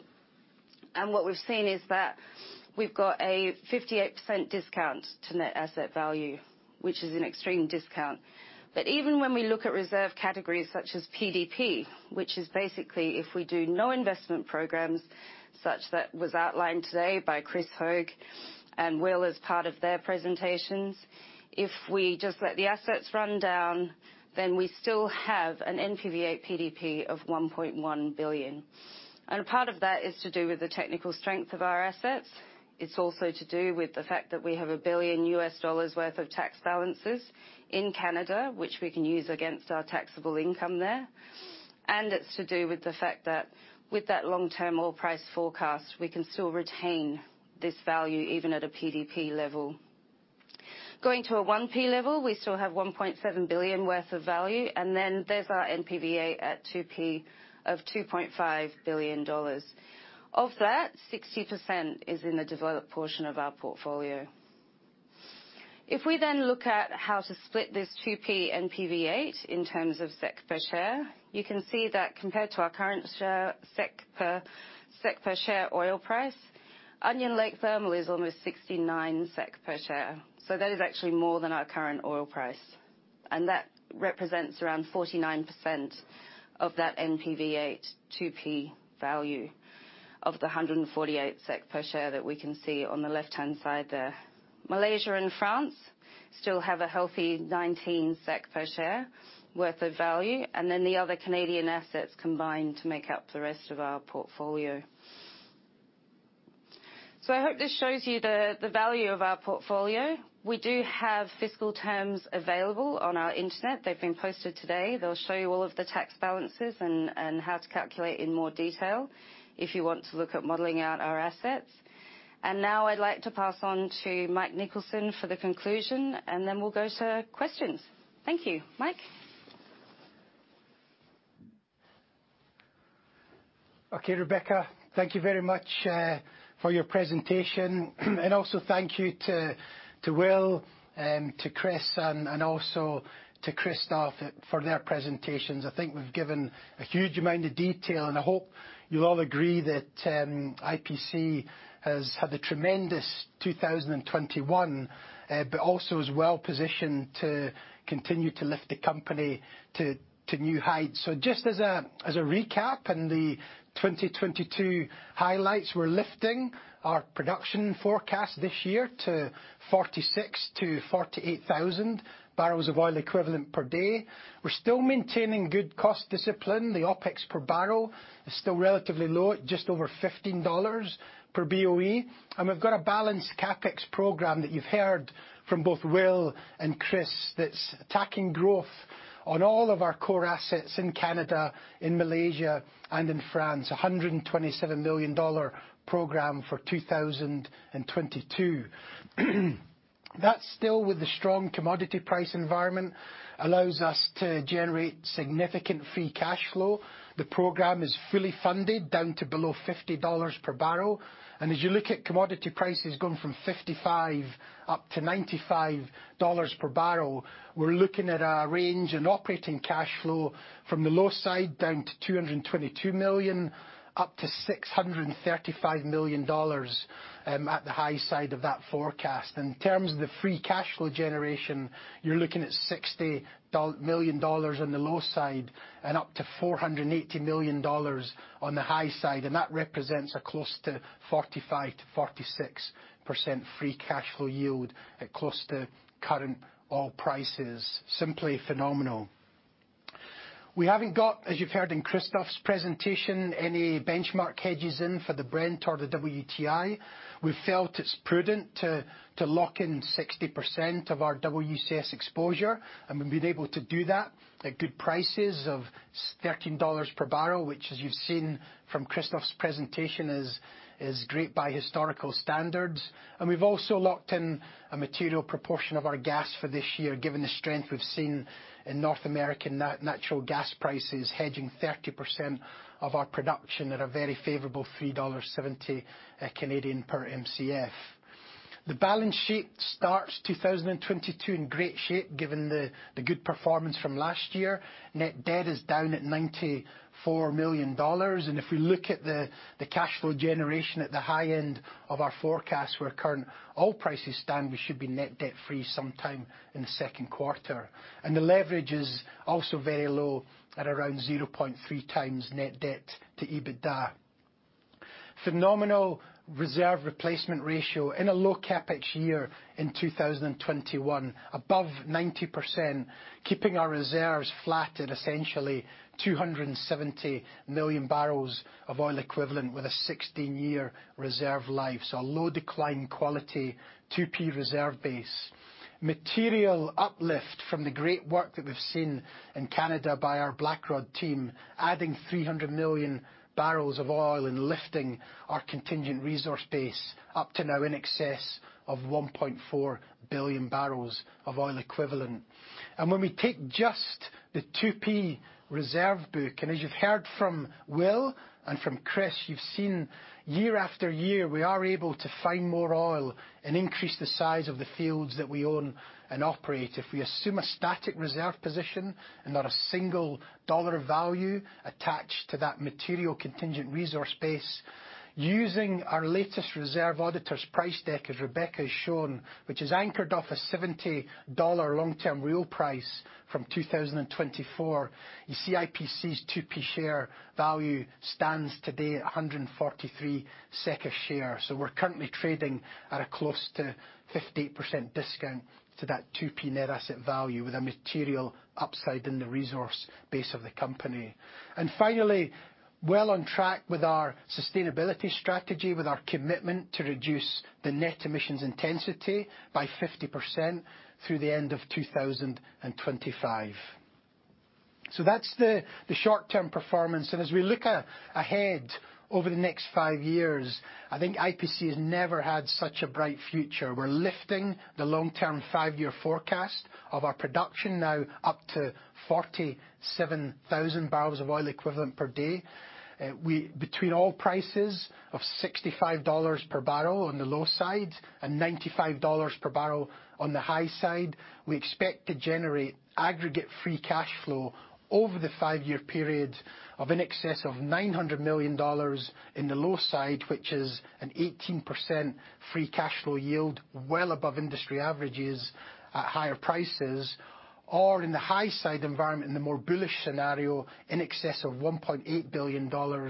And what we've seen is that we've got a 58% discount to net asset value, which is an extreme discount. Even when we look at reserve categories such as PDP, which is basically if we do no investment programs, such that was outlined today by Chris Hogue and Will as part of their presentations. If we just let the assets run down, then we still have an NPV8 PDP of $1.1 billion. A part of that is to do with the technical strength of our assets. It's also to do with the fact that we have $1 billion US dollars worth of tax balances in Canada, which we can use against our taxable income there. It's to do with the fact that with that long-term oil price forecast, we can still retain this value even at a PDP level. Going to a 1P level, we still have $1.7 billion worth of value, and then there's our NPV8 at 2P of $2.5 billion. Of that, 60% is in the developed portion of our portfolio. If we then look at how to split this 2P NPV8 in terms of SEK per share, you can see that compared to our current SEK per share oil price, Onion Lake Thermal is almost 69 SEK per share. That is actually more than our current oil price. That represents around 49% of that NPV8 2P value of the 148 SEK per share that we can see on the left-hand side there. Malaysia and France still have a healthy 19 SEK per share worth of value. Then the other Canadian assets combine to make up the rest of our portfolio. I hope this shows you the value of our portfolio. We do have fiscal terms available on our website. They've been posted today. They'll show you all of the tax balances and how to calculate in more detail if you want to look at modeling out our assets. Now I'd like to pass on to Mike Nicholson for the conclusion, and then we'll go to questions. Thank you. Mike? Okay, Rebecca, thank you very much for your presentation. Also thank you to Will, to Chris, and also to Christophe for their presentations. I think we've given a huge amount of detail, and I hope you'll all agree that IPC has had a tremendous 2021, but also is well positioned to continue to lift the company to new heights. Just as a recap, in the 2022 highlights, we're lifting our production forecast this year to 46,000-48,000 barrels of oil equivalent per day. We're still maintaining good cost discipline. The OpEx per barrel is still relatively low at just over $15 per BOE. We've got a balanced CapEx program that you've heard from both Will and Chris that's attacking growth on all of our core assets in Canada, in Malaysia, and in France. $127 million program for 2022. That still, with the strong commodity price environment, allows us to generate significant free cash flow. The program is fully funded down to below $50 per barrel. As you look at commodity prices going from $55 up to $95 per barrel, we're looking at a range in operating cash flow from the low side down to $222 million, up to $635 million at the high side of that forecast. In terms of the free cash flow generation, you're looking at $60 million on the low side and up to $480 million on the high side. That represents close to 45%-46% free cash flow yield at close to current oil prices. Simply phenomenal. We haven't got, as you've heard in Christophe's presentation, any benchmark hedges in for the Brent or the WTI. We've felt it's prudent to lock in 60% of our WCS exposure, and we've been able to do that at good prices of $13 per barrel, which as you've seen from Christophe's presentation is great by historical standards. We've also locked in a material proportion of our gas for this year, given the strength we've seen in North American natural gas prices hedging 30% of our production at a very favorable 3.70 Canadian dollars per Mcf. The balance sheet starts 2022 in great shape, given the good performance from last year. Net debt is down at $94 million. If we look at the cash flow generation at the high end of our forecast, where current oil prices stand, we should be net debt free sometime in the second quarter. The leverage is also very low at around 0.3x net debt to EBITDA. Phenomenal reserve replacement ratio in a low CapEx year in 2021, above 90%, keeping our reserves flat at essentially 270 million barrels of oil equivalent with a 16-year reserve life. A low decline quality 2P reserve base. Material uplift from the great work that we've seen in Canada by our Blackrod team, adding 300 million barrels of oil and lifting our contingent resource base up to now in excess of 1.4 billion barrels of oil equivalent. When we take the 2P reserve book. As you've heard from Will and from Chris, you've seen year after year, we are able to find more oil and increase the size of the fields that we own and operate. If we assume a static reserve position and not a single dollar value attached to that material contingent resource base. Using our latest reserve auditors price deck, as Rebecca has shown, which is anchored off a $70 long-term real price from 2024. You see IPC's 2P share value stands today at 143 SEK a share. We're currently trading at a close to 58% discount to that 2P net asset value with a material upside in the resource base of the company. Finally, well on track with our sustainability strategy, with our commitment to reduce the net emissions intensity by 50% through the end of 2025. That's the short-term performance. As we look ahead over the next five years, I think IPC has never had such a bright future. We're lifting the long-term five-year forecast of our production now up to 47,000 barrels of oil equivalent per day. Between oil prices of $65 per barrel on the low side and $95 per barrel on the high side, we expect to generate aggregate free cash flow over the five-year period of in excess of $900 million in the low side, which is an 18% free cash flow yield, well above industry averages at higher prices. In the high side environment, in the more bullish scenario, in excess of $1.8 billion or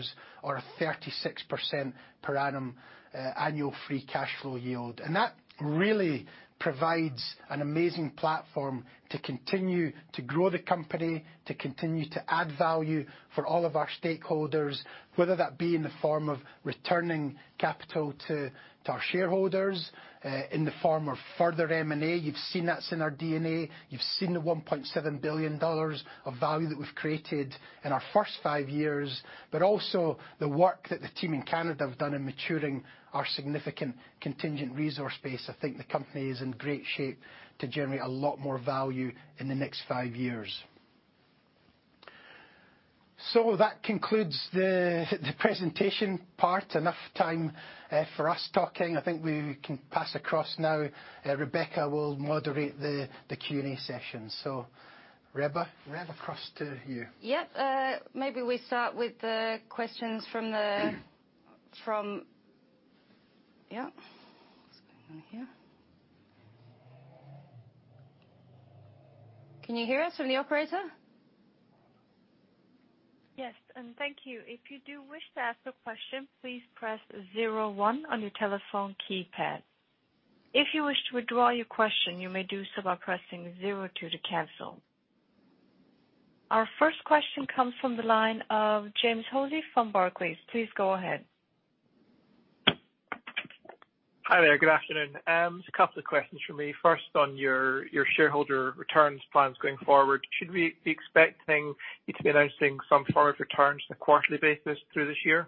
a 36% per annum annual free cash flow yield. That really provides an amazing platform to continue to grow the company, to continue to add value for all of our stakeholders, whether that be in the form of returning capital to our shareholders in the form of further M&A. You've seen that's in our DNA. You've seen the $1.7 billion of value that we've created in our first five years, but also the work that the team in Canada have done in maturing our significant contingent resource base. I think the company is in great shape to generate a lot more value in the next five years. That concludes the presentation part. Enough time for us talking. I think we can pass across now. Rebecca will moderate the Q&A session. Reba, right across to you. Yep, maybe we start with the questions from. Yeah. What's going on here? Can you hear us from the operator? Yes, thank you. If you you do wish to ask a question, please press zero one on your telephone keypad. If you wish to withdrawal your question, you may do so by pressing zero two to cancel. Our first question comes from the line of James Hosie from Barclays. Please go ahead. Hi there. Good afternoon. Just a couple of questions from me. First, on your shareholder returns plans going forward, should we be expecting you to be announcing some forward returns on a quarterly basis through this year?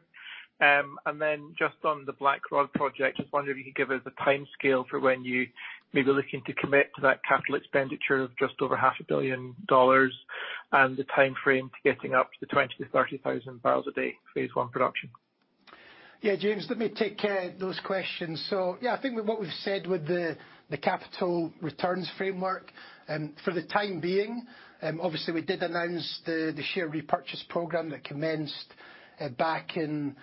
Just on the Blackrod project, just wondering if you could give us a timescale for when you may be looking to commit to that capital expenditure of just over half a billion dollars and the timeframe to getting up to the 20,000-30,000 barrels a day phase one production. Yeah, James, let me take those questions. Yeah, I think with what we've said with the capital returns framework, for the time being, obviously we did announce the share repurchase program that commenced back in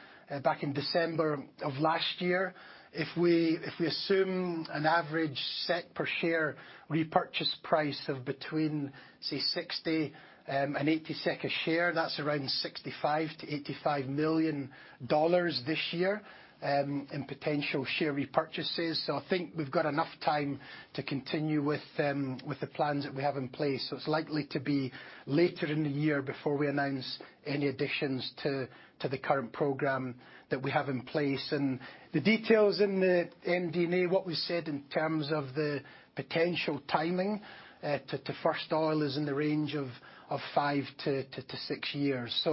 December of last year. If we assume an average set per share repurchase price of between, say, 60 and 80 SEK a share, that's around $65 million-$85 million this year in potential share repurchases. I think we've got enough time to continue with the plans that we have in place. It's likely to be later in the year before we announce any additions to the current program that we have in place. The details in the MD&A, what we said in terms of the potential timing to first oil is in the range of 5-6 years.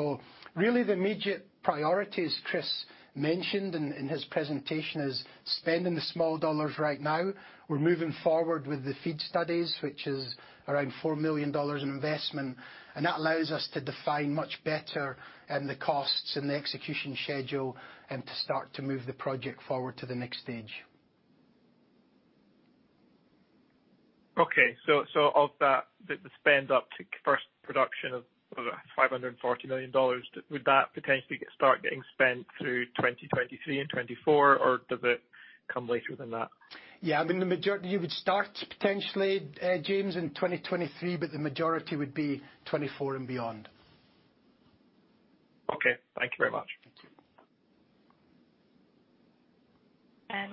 Really the immediate priority, as Chris mentioned in his presentation, is spending the small dollars right now. We're moving forward with the FEED studies, which is around $4 million in investment, and that allows us to define much better the costs and the execution schedule and to start to move the project forward to the next stage. Okay. Of that, the spend up to first production of $540 million, would that potentially start getting spent through 2023 and 2024, or does it come later than that? Yeah, I mean, the majority, you would start potentially, James, in 2023, but the majority would be 2024 and beyond. Okay. Thank you very much.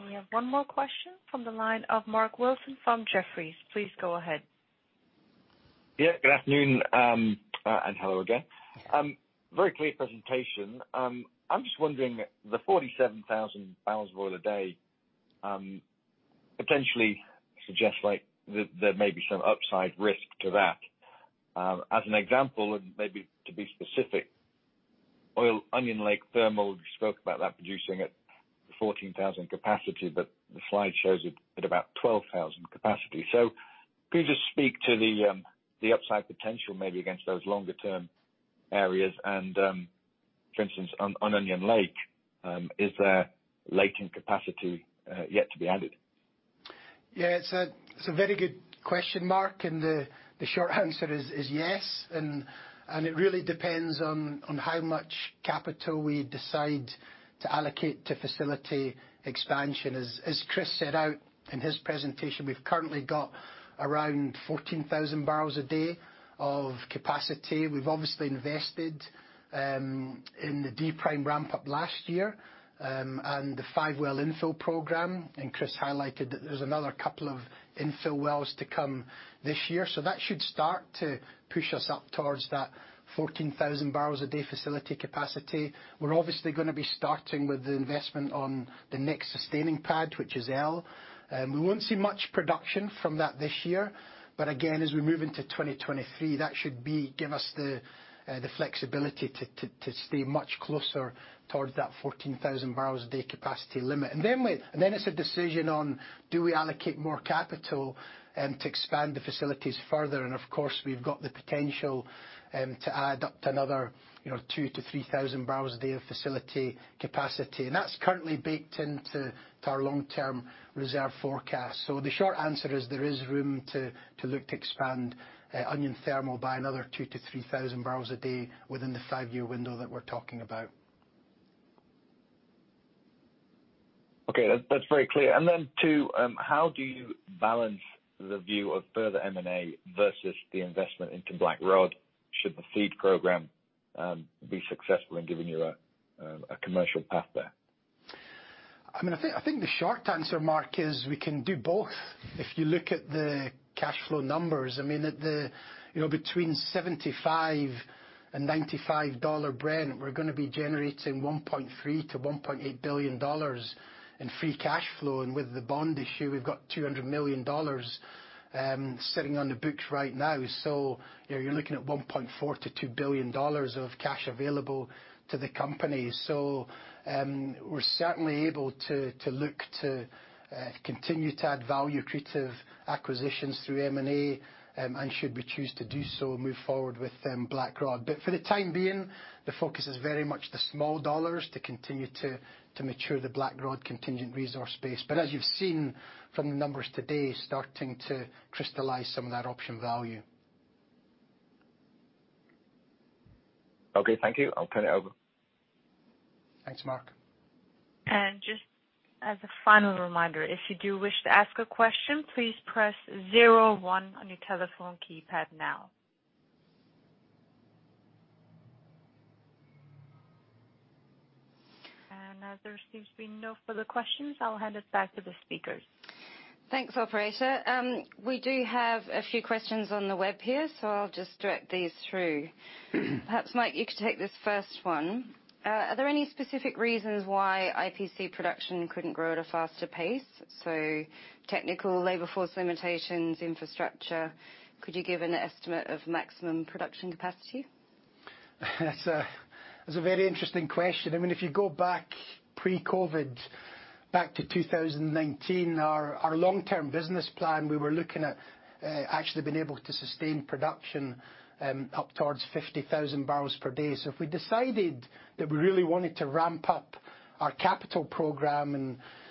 We have one more question from the line of Mark Wilson from Jefferies. Please go ahead. Yeah, good afternoon, and hello again. Very clear presentation. I'm just wondering, the 47,000 barrels of oil a day potentially suggests like there may be some upside risk to that. As an example, and maybe to be specifically, Onion Lake thermal, you spoke about that producing at 14,000 capacity, but the slide shows it at about 12,000 capacity. Could you just speak to the upside potential maybe against those longer term areas and, for instance, on Onion Lake, is there latent capacity yet to be added? Yeah, it's a very good question, Mark, and the short answer is yes, and it really depends on how much capital we decide to allocate to facility expansion. As Chris set out in his presentation, we've currently got around 14,000 barrels a day of capacity. We've obviously invested in the D-pad ramp up last year, and the 5-well infill program, and Chris highlighted that there's another couple of infill wells to come this year. That should start to push us up towards that 14,000 barrels a day facility capacity. We're obviously gonna be starting with the investment on the next sustaining pad, which is L-pad. We won't see much production from that this year. Again, as we move into 2023, that should give us the flexibility to stay much closer towards that 14,000 barrels a day capacity limit. Then it's a decision on do we allocate more capital to expand the facilities further? Of course, we've got the potential to add up to another, you know, 2,000-3,000 barrels a day of facility capacity. That's currently baked into our long-term reserve forecast. The short answer is there is room to look to expand Onion Lake thermal by another 2,000-3,000 barrels a day within the five-year window that we're talking about. Okay. That's very clear. Two, how do you balance the view of further M&A versus the investment into Blackrod should the FEED program be successful in giving you a commercial path there? I mean, I think the short answer, Mark, is we can do both. If you look at the cash flow numbers, you know, between $75 and $95 Brent, we're gonna be generating $1.3-$1.8 billion in free cash flow. With the bond issue, we've got $200 million sitting on the books right now. You know, you're looking at $1.4-$2 billion of cash available to the company. We're certainly able to look to continue to add value accretive acquisitions through M&A, and should we choose to do so, move forward with the Blackrod. For the time being, the focus is very much the small dollars to continue to mature the Blackrod contingent resource base. As you've seen from the numbers today, starting to crystallize some of that option value. Okay, thank you. I'll turn it over. Thanks, Mark. Just as a final reminder, if you do wish to ask a question, please press zero one on your telephone keypad now. As there seems to be no further questions, I'll hand it back to the speakers. Thanks, operator. We do have a few questions on the web here, so I'll just direct these through. Perhaps, Mike, you could take this first one. Are there any specific reasons why IPC production couldn't grow at a faster pace? Technical, labor force limitations, infrastructure. Could you give an estimate of maximum production capacity? That's a very interesting question. I mean, if you go back pre-COVID, back to 2019, our long-term business plan, we were looking at actually being able to sustain production up towards 50,000 barrels per day. If we decided that we really wanted to ramp up our capital program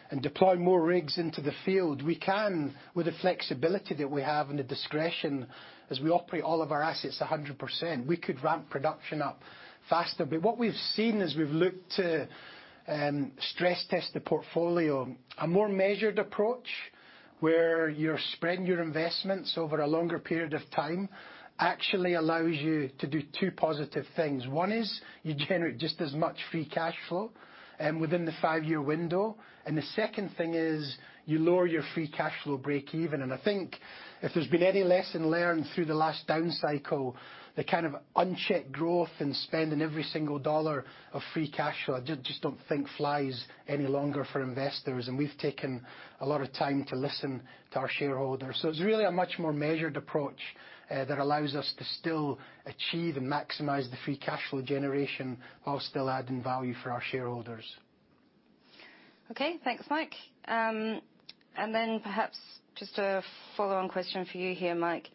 and deploy more rigs into the field, we can, with the flexibility that we have and the discretion as we operate all of our assets 100%, we could ramp production up faster. What we've seen as we've looked to stress test the portfolio, a more measured approach where you're spreading your investments over a longer period of time actually allows you to do two positive things. One is you generate just as much free cash flow within the five-year window, and the second thing is you lower your free cash flow breakeven. I think if there's been any lesson learned through the last down cycle, the kind of unchecked growth and spending every single dollar of free cash flow, I just don't think flies any longer for investors. We've taken a lot of time to listen to our shareholders. It's really a much more measured approach that allows us to still achieve and maximize the free cash flow generation while still adding value for our shareholders. Okay. Thanks, Mike. Perhaps just a follow-on question for you here, Mike.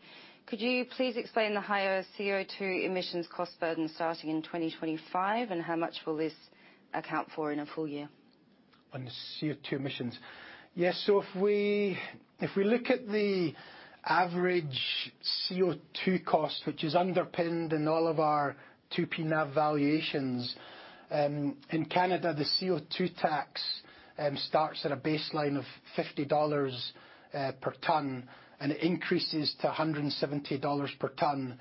Could you please explain the higher CO2 emissions cost burden starting in 2025, and how much will this account for in a full year? On the CO2 emissions. Yes. If we look at the average CO2 cost, which is underpinned in all of our 2P NAV valuations, in Canada, the CO2 tax starts at a baseline of 50 dollars per ton, and it increases to 170 dollars per ton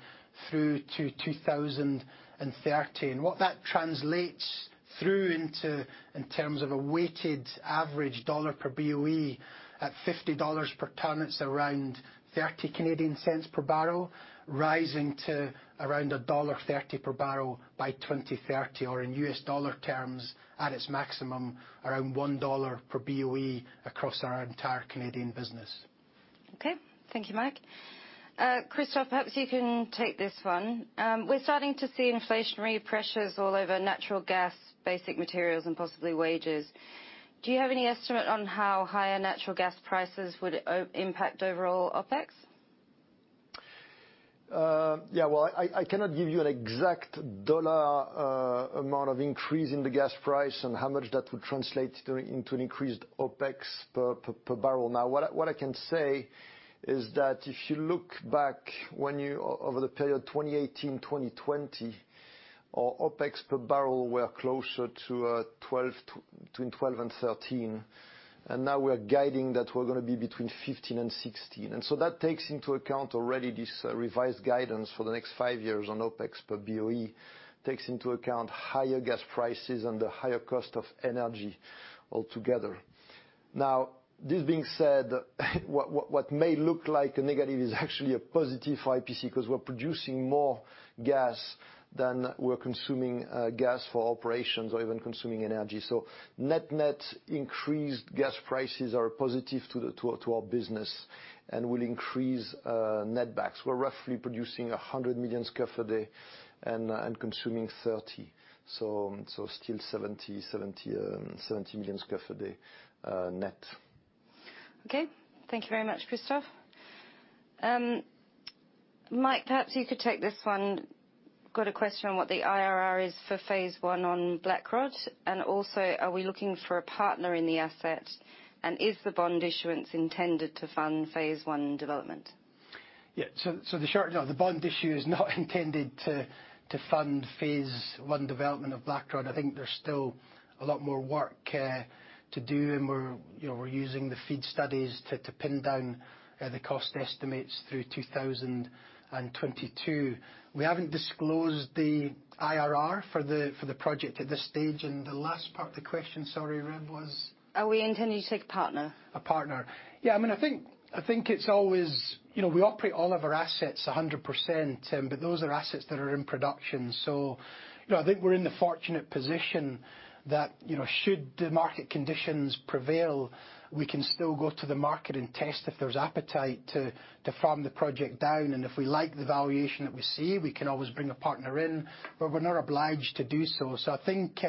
through to 2030. What that translates through into in terms of a weighted average dollar per BOE, at 50 dollars per ton, it's around 0.30 per barrel, rising to around dollar 1.30 per barrel by 2030. In U.S. dollar terms, at its maximum, around $1 per BOE across our entire Canadian business. Okay. Thank you, Mike. Christophe, perhaps you can take this one. We're starting to see inflationary pressures all over natural gas, basic materials and possibly wages. Do you have any estimate on how higher natural gas prices would impact overall OpEx? Well, I cannot give you an exact dollar amount of increase in the gas price and how much that would translate to into an increased OpEx per barrel. Now, what I can say is that if you look back over the period 2018-2020, our OpEx per barrel were closer to between $12 and $13. Now we're guiding that we're gonna be between $15 and $16. That takes into account already this revised guidance for the next five years on OpEx per BOE, takes into account higher gas prices and the higher cost of energy altogether. Now, this being said, what may look like a negative is actually a positive for IPC because we're producing more gas than we're consuming gas for operations or even consuming energy. Net-net increased gas prices are positive to our business and will increase netbacks. We're roughly producing 100 million scf a day and consuming 30 million scf. Still 70 million scf a day net. Okay. Thank you very much, Christophe. Mike, perhaps you could take this one. Got a question on what the IRR is for Phase 1 on Blackrod. Also, are we looking for a partner in the asset, and is the bond issuance intended to fund Phase 1 development? The bond issue is not intended to fund Phase 1 development of Blackrod. I think there's still a lot more work to do, and we're, you know, using the FEED studies to pin down the cost estimates through 2022. We haven't disclosed the IRR for the project at this stage. The last part of the question, sorry, Reb, was? Are we intending to take a partner? A partner. Yeah, I mean, I think it's always. You know, we operate all of our assets 100%, but those are assets that are in production. You know, I think we're in the fortunate position that, you know, should the market conditions prevail, we can still go to the market and test if there's appetite to farm the project down. If we like the valuation that we see, we can always bring a partner in, but we're not obliged to do so. I think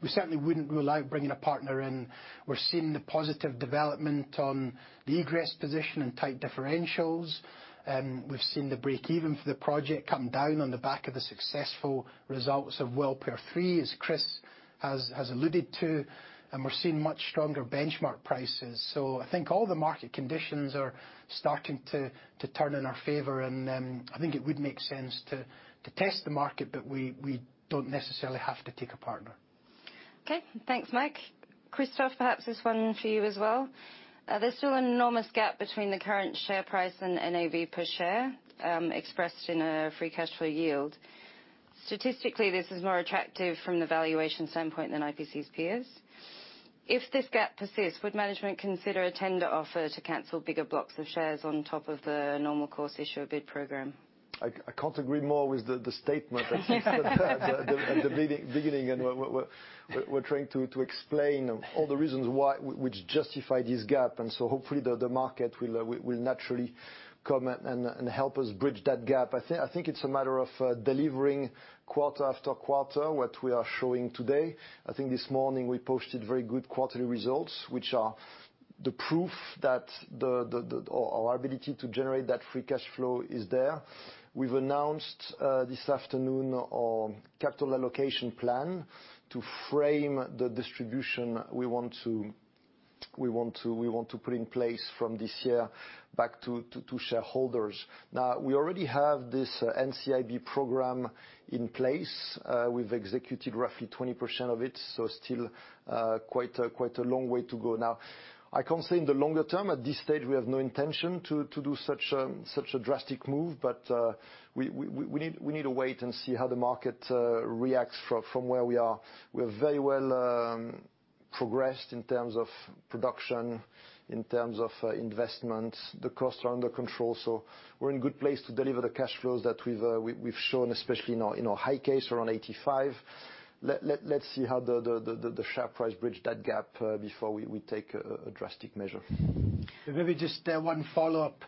we certainly wouldn't rule out bringing a partner in. We're seeing the positive development on the egress position and tight differentials. We've seen the break-even for the project come down on the back of the successful results of well pair 3, as Chris has alluded to, and we're seeing much stronger benchmark prices. I think all the market conditions are starting to turn in our favor. I think it would make sense to test the market, but we don't necessarily have to take a partner. Okay. Thanks, Mike. Christophe, perhaps this one for you as well. There's still an enormous gap between the current share price and NAV per share, expressed in a free cash flow yield. Statistically, this is more attractive from the valuation standpoint than IPC's peers. If this gap persists, would management consider a tender offer to cancel bigger blocks of shares on top of the normal course issuer bid program? I can't agree more with the statement at the beginning. We're trying to explain all the reasons why, which justify this gap. Hopefully the market will naturally come and help us bridge that gap. I think it's a matter of delivering quarter after quarter what we are showing today. I think this morning we posted very good quarterly results, which are the proof that our ability to generate that free cash flow is there. We've announced this afternoon our capital allocation plan to frame the distribution we want to put in place from this year back to shareholders. Now, we already have this NCIB program in place. We've executed roughly 20% of it, so still quite a long way to go. Now, I can't say in the longer term, at this stage, we have no intention to do such a drastic move. We need to wait and see how the market reacts from where we are. We're very well progressed in terms of production, in terms of investment. The costs are under control, so we're in a good place to deliver the cash flows that we've shown, especially in our high case around 85. Let's see how the share price bridges that gap before we take a drastic measure. Maybe just one follow-up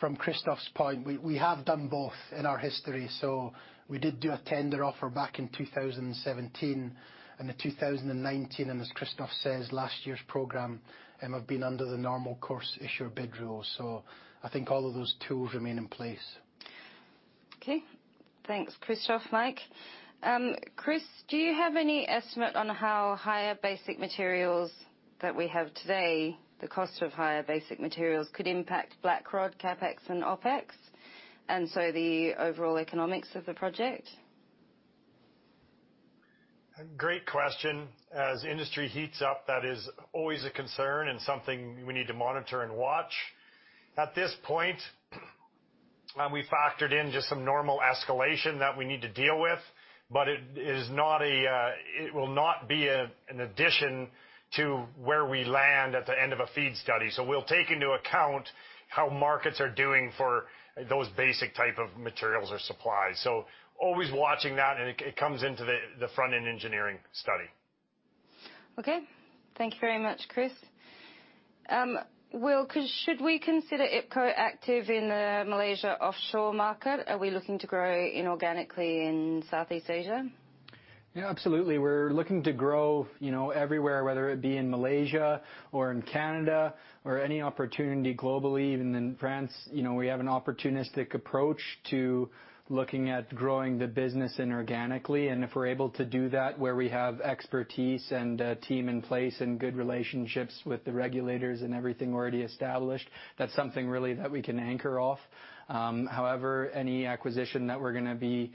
from Christophe's point. We have done both in our history. We did do a tender offer back in 2017 and in 2019. As Christophe says, last year's program have been under the normal course issuer bid rule. I think all of those tools remain in place. Okay. Thanks, Christophe, Mike. Chris, do you have any estimate on how higher basic materials that we have today, the cost of higher basic materials could impact Blackrod CapEx and OpEx, and so the overall economics of the project? Great question. As industry heats up, that is always a concern and something we need to monitor and watch. At this point, we factored in just some normal escalation that we need to deal with, but it will not be an addition to where we land at the end of a FEED study. We'll take into account how markets are doing for those basic type of materials or supplies. Always watching that, and it comes into the front-end engineering study. Okay. Thank you very much, Chris. Will, should we consider IPC active in the Malaysia offshore market? Are we looking to grow inorganically in Southeast Asia? Yeah, absolutely. We're looking to grow, you know, everywhere, whether it be in Malaysia or in Canada or any opportunity globally, even in France. You know, we have an opportunistic approach to looking at growing the business inorganically. If we're able to do that, where we have expertise and a team in place and good relationships with the regulators and everything already established, that's something really that we can anchor off. However, any acquisition that we're gonna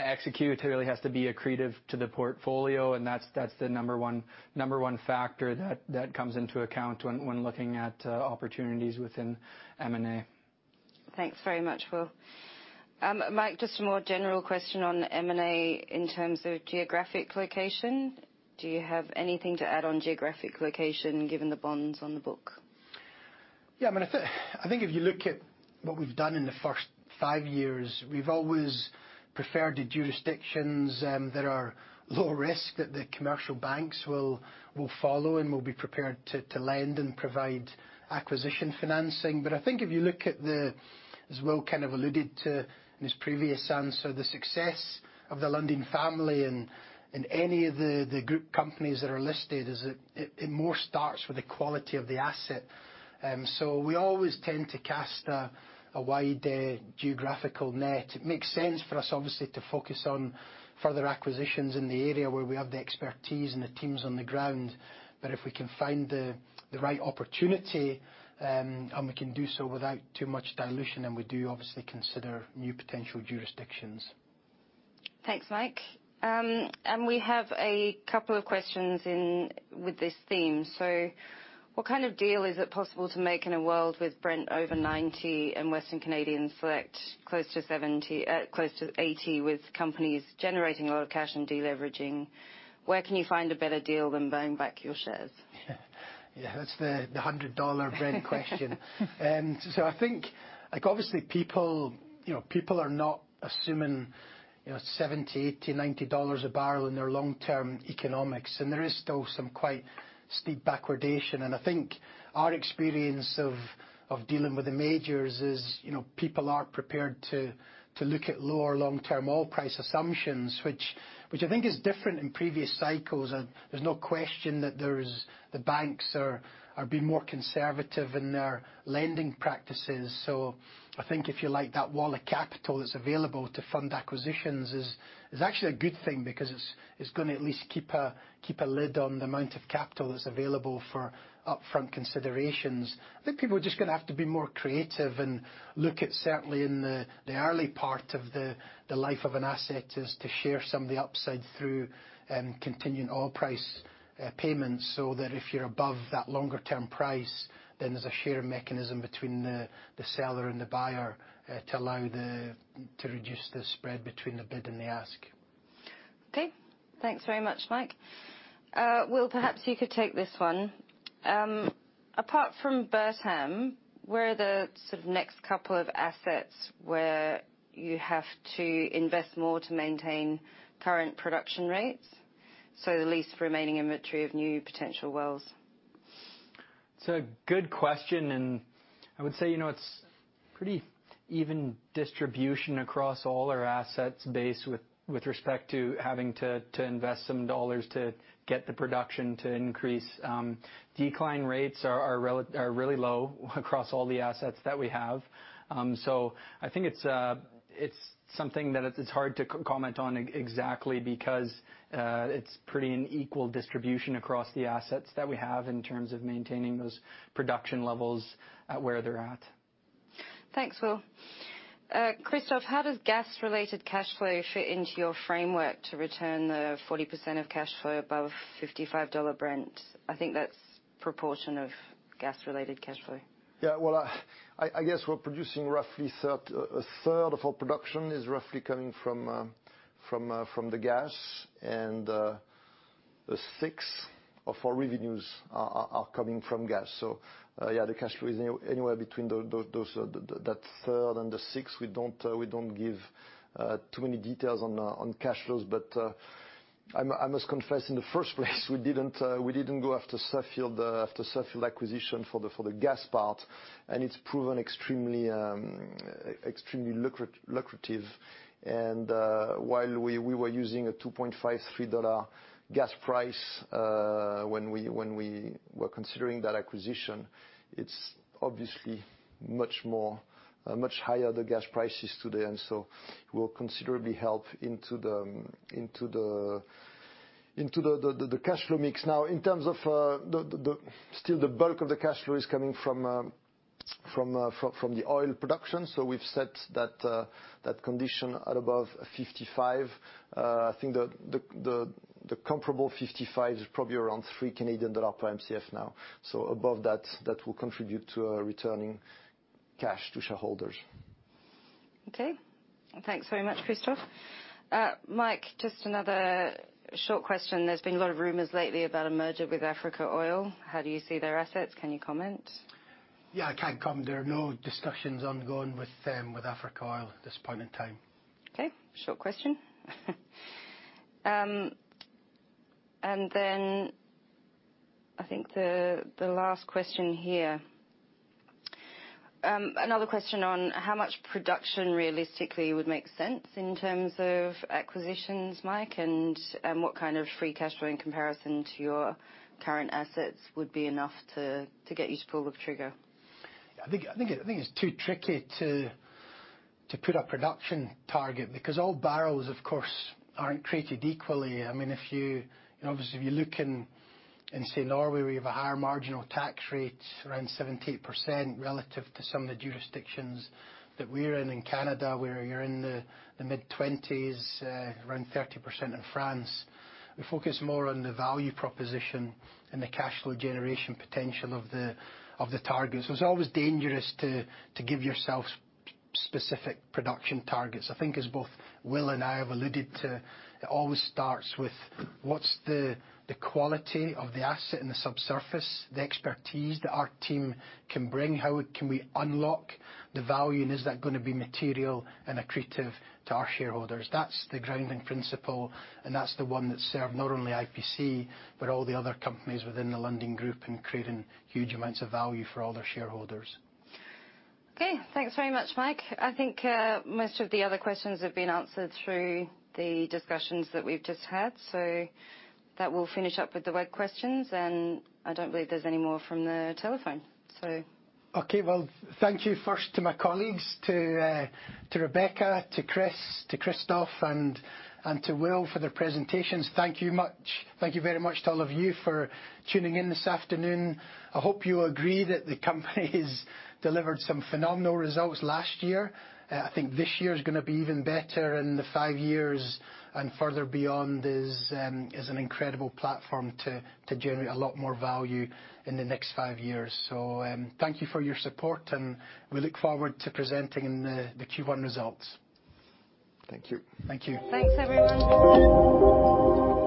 execute, it really has to be accretive to the portfolio, and that's the number one factor that comes into account when looking at opportunities within M&A. Thanks very much, Will. Mike, just a more general question on M&A in terms of geographic location. Do you have anything to add on geographic location, given the bonds on the book? Yeah, I mean, I think if you look at what we've done in the first five years, we've always preferred the jurisdictions that are low risk, that the commercial banks will follow and will be prepared to lend and provide acquisition financing. I think if you look at, as Will kind of alluded to in his previous answer, the success of the Lundin family and any of the group companies that are listed is. It more starts with the quality of the asset. We always tend to cast a wide geographical net. It makes sense for us, obviously, to focus on further acquisitions in the area where we have the expertise and the teams on the ground. If we can find the right opportunity, and we can do so without too much dilution, then we do obviously consider new potential jurisdictions. Thanks, Mike. We have a couple of questions with this theme. What kind of deal is it possible to make in a world with Brent over 90 and Western Canadian Select close to 70, close to 80, with companies generating a lot of cash and de-leveraging? Where can you find a better deal than buying back your shares? Yeah. That's the $100 Brent question. So I think, like, obviously, people, you know, are not assuming, you know, $70, $80, $90 a barrel in their long-term economics, and there is still some quite steep backwardation. I think our experience of dealing with the majors is, you know, people are prepared to look at lower long-term oil price assumptions, which I think is different in previous cycles. There's no question that the banks are being more conservative in their lending practices. I think if you like that wall of capital that's available to fund acquisitions is actually a good thing because it's gonna at least keep a lid on the amount of capital that's available for upfront considerations. I think people are just gonna have to be more creative and look at, certainly in the early part of the life of an asset, is to share some of the upside through continuing oil price payments so that if you're above that longer term price, then there's a share mechanism between the seller and the buyer to reduce the spread between the bid and the ask. Okay. Thanks very much, Mike. Will, perhaps you could take this one. Apart from Bertam, where are the sort of next couple of assets where you have to invest more to maintain current production rates, so the least remaining inventory of new potential wells? It's a good question, and I would say, you know, it's pretty even distribution across all our asset base with respect to having to invest some dollars to get the production to increase. Decline rates are really low across all the assets that we have. I think it's something that it's hard to comment on exactly because it's pretty an equal distribution across the assets that we have in terms of maintaining those production levels at where they're at. Thanks, Will. Christophe, how does gas-related cash flow fit into your framework to return the 40% of cash flow above $55 Brent? I think that's proportion of gas-related cash flow. Yeah. Well, I guess a third of our production is roughly coming from the gas and a sixth of our revenues are coming from gas. Yeah, the cash flow is anywhere between that third and the sixth. We don't give too many details on cash flows. I must confess, in the first place, we didn't go after the Suffield acquisition for the gas part, and it's proven extremely lucrative. While we were using a $2.53 gas price when we were considering that acquisition, it's obviously much higher, the gas prices today. It will considerably help into the cash flow mix. Now, in terms of, still the bulk of the cash flow is coming from the oil production, so we've set that condition at above $55. I think the comparable $55 is probably around 3 Canadian dollar per Mcf now. Above that will contribute to returning cash to shareholders. Okay. Thanks very much, Christophe. Mike, just another short question. There's been a lot of rumors lately about a merger with Africa Oil. How do you see their assets? Can you comment? Yeah, I can't comment. There are no discussions ongoing with Africa Oil at this point in time. Okay. Short question. I think the last question here. Another question on how much production realistically would make sense in terms of acquisitions, Mike? What kind of free cash flow in comparison to your current assets would be enough to get you to pull the trigger? I think it's too tricky to put a production target. Because all barrels, of course, aren't created equally. I mean, if you know, obviously if you look in say Norway, where you have a higher marginal tax rate, around 78% relative to some of the jurisdictions that we're in Canada, where you're in the mid-twenties, around 30% in France. We focus more on the value proposition and the cash flow generation potential of the targets. It's always dangerous to give yourself specific production targets. I think as both Will and I have alluded to, it always starts with what's the quality of the asset and the subsurface, the expertise that our team can bring, how can we unlock the value, and is that gonna be material and accretive to our shareholders? That's the grounding principle, and that's the one that's served not only IPC, but all the other companies within the Lundin Group in creating huge amounts of value for all their shareholders. Okay. Thanks very much, Mike. I think most of the other questions have been answered through the discussions that we've just had. That will finish up with the web questions. I don't believe there's any more from the telephone. Okay. Well, thank you first to my colleagues. To Rebecca, to Chris, to Christophe, and to Will for their presentations. Thank you much. Thank you very much to all of you for tuning in this afternoon. I hope you agree that the company has delivered some phenomenal results last year. I think this year's gonna be even better, and the five years and further beyond is an incredible platform to generate a lot more value in the next five years. Thank you for your support and we look forward to presenting the Q1 results. Thank you. Thank you. Thanks everyone.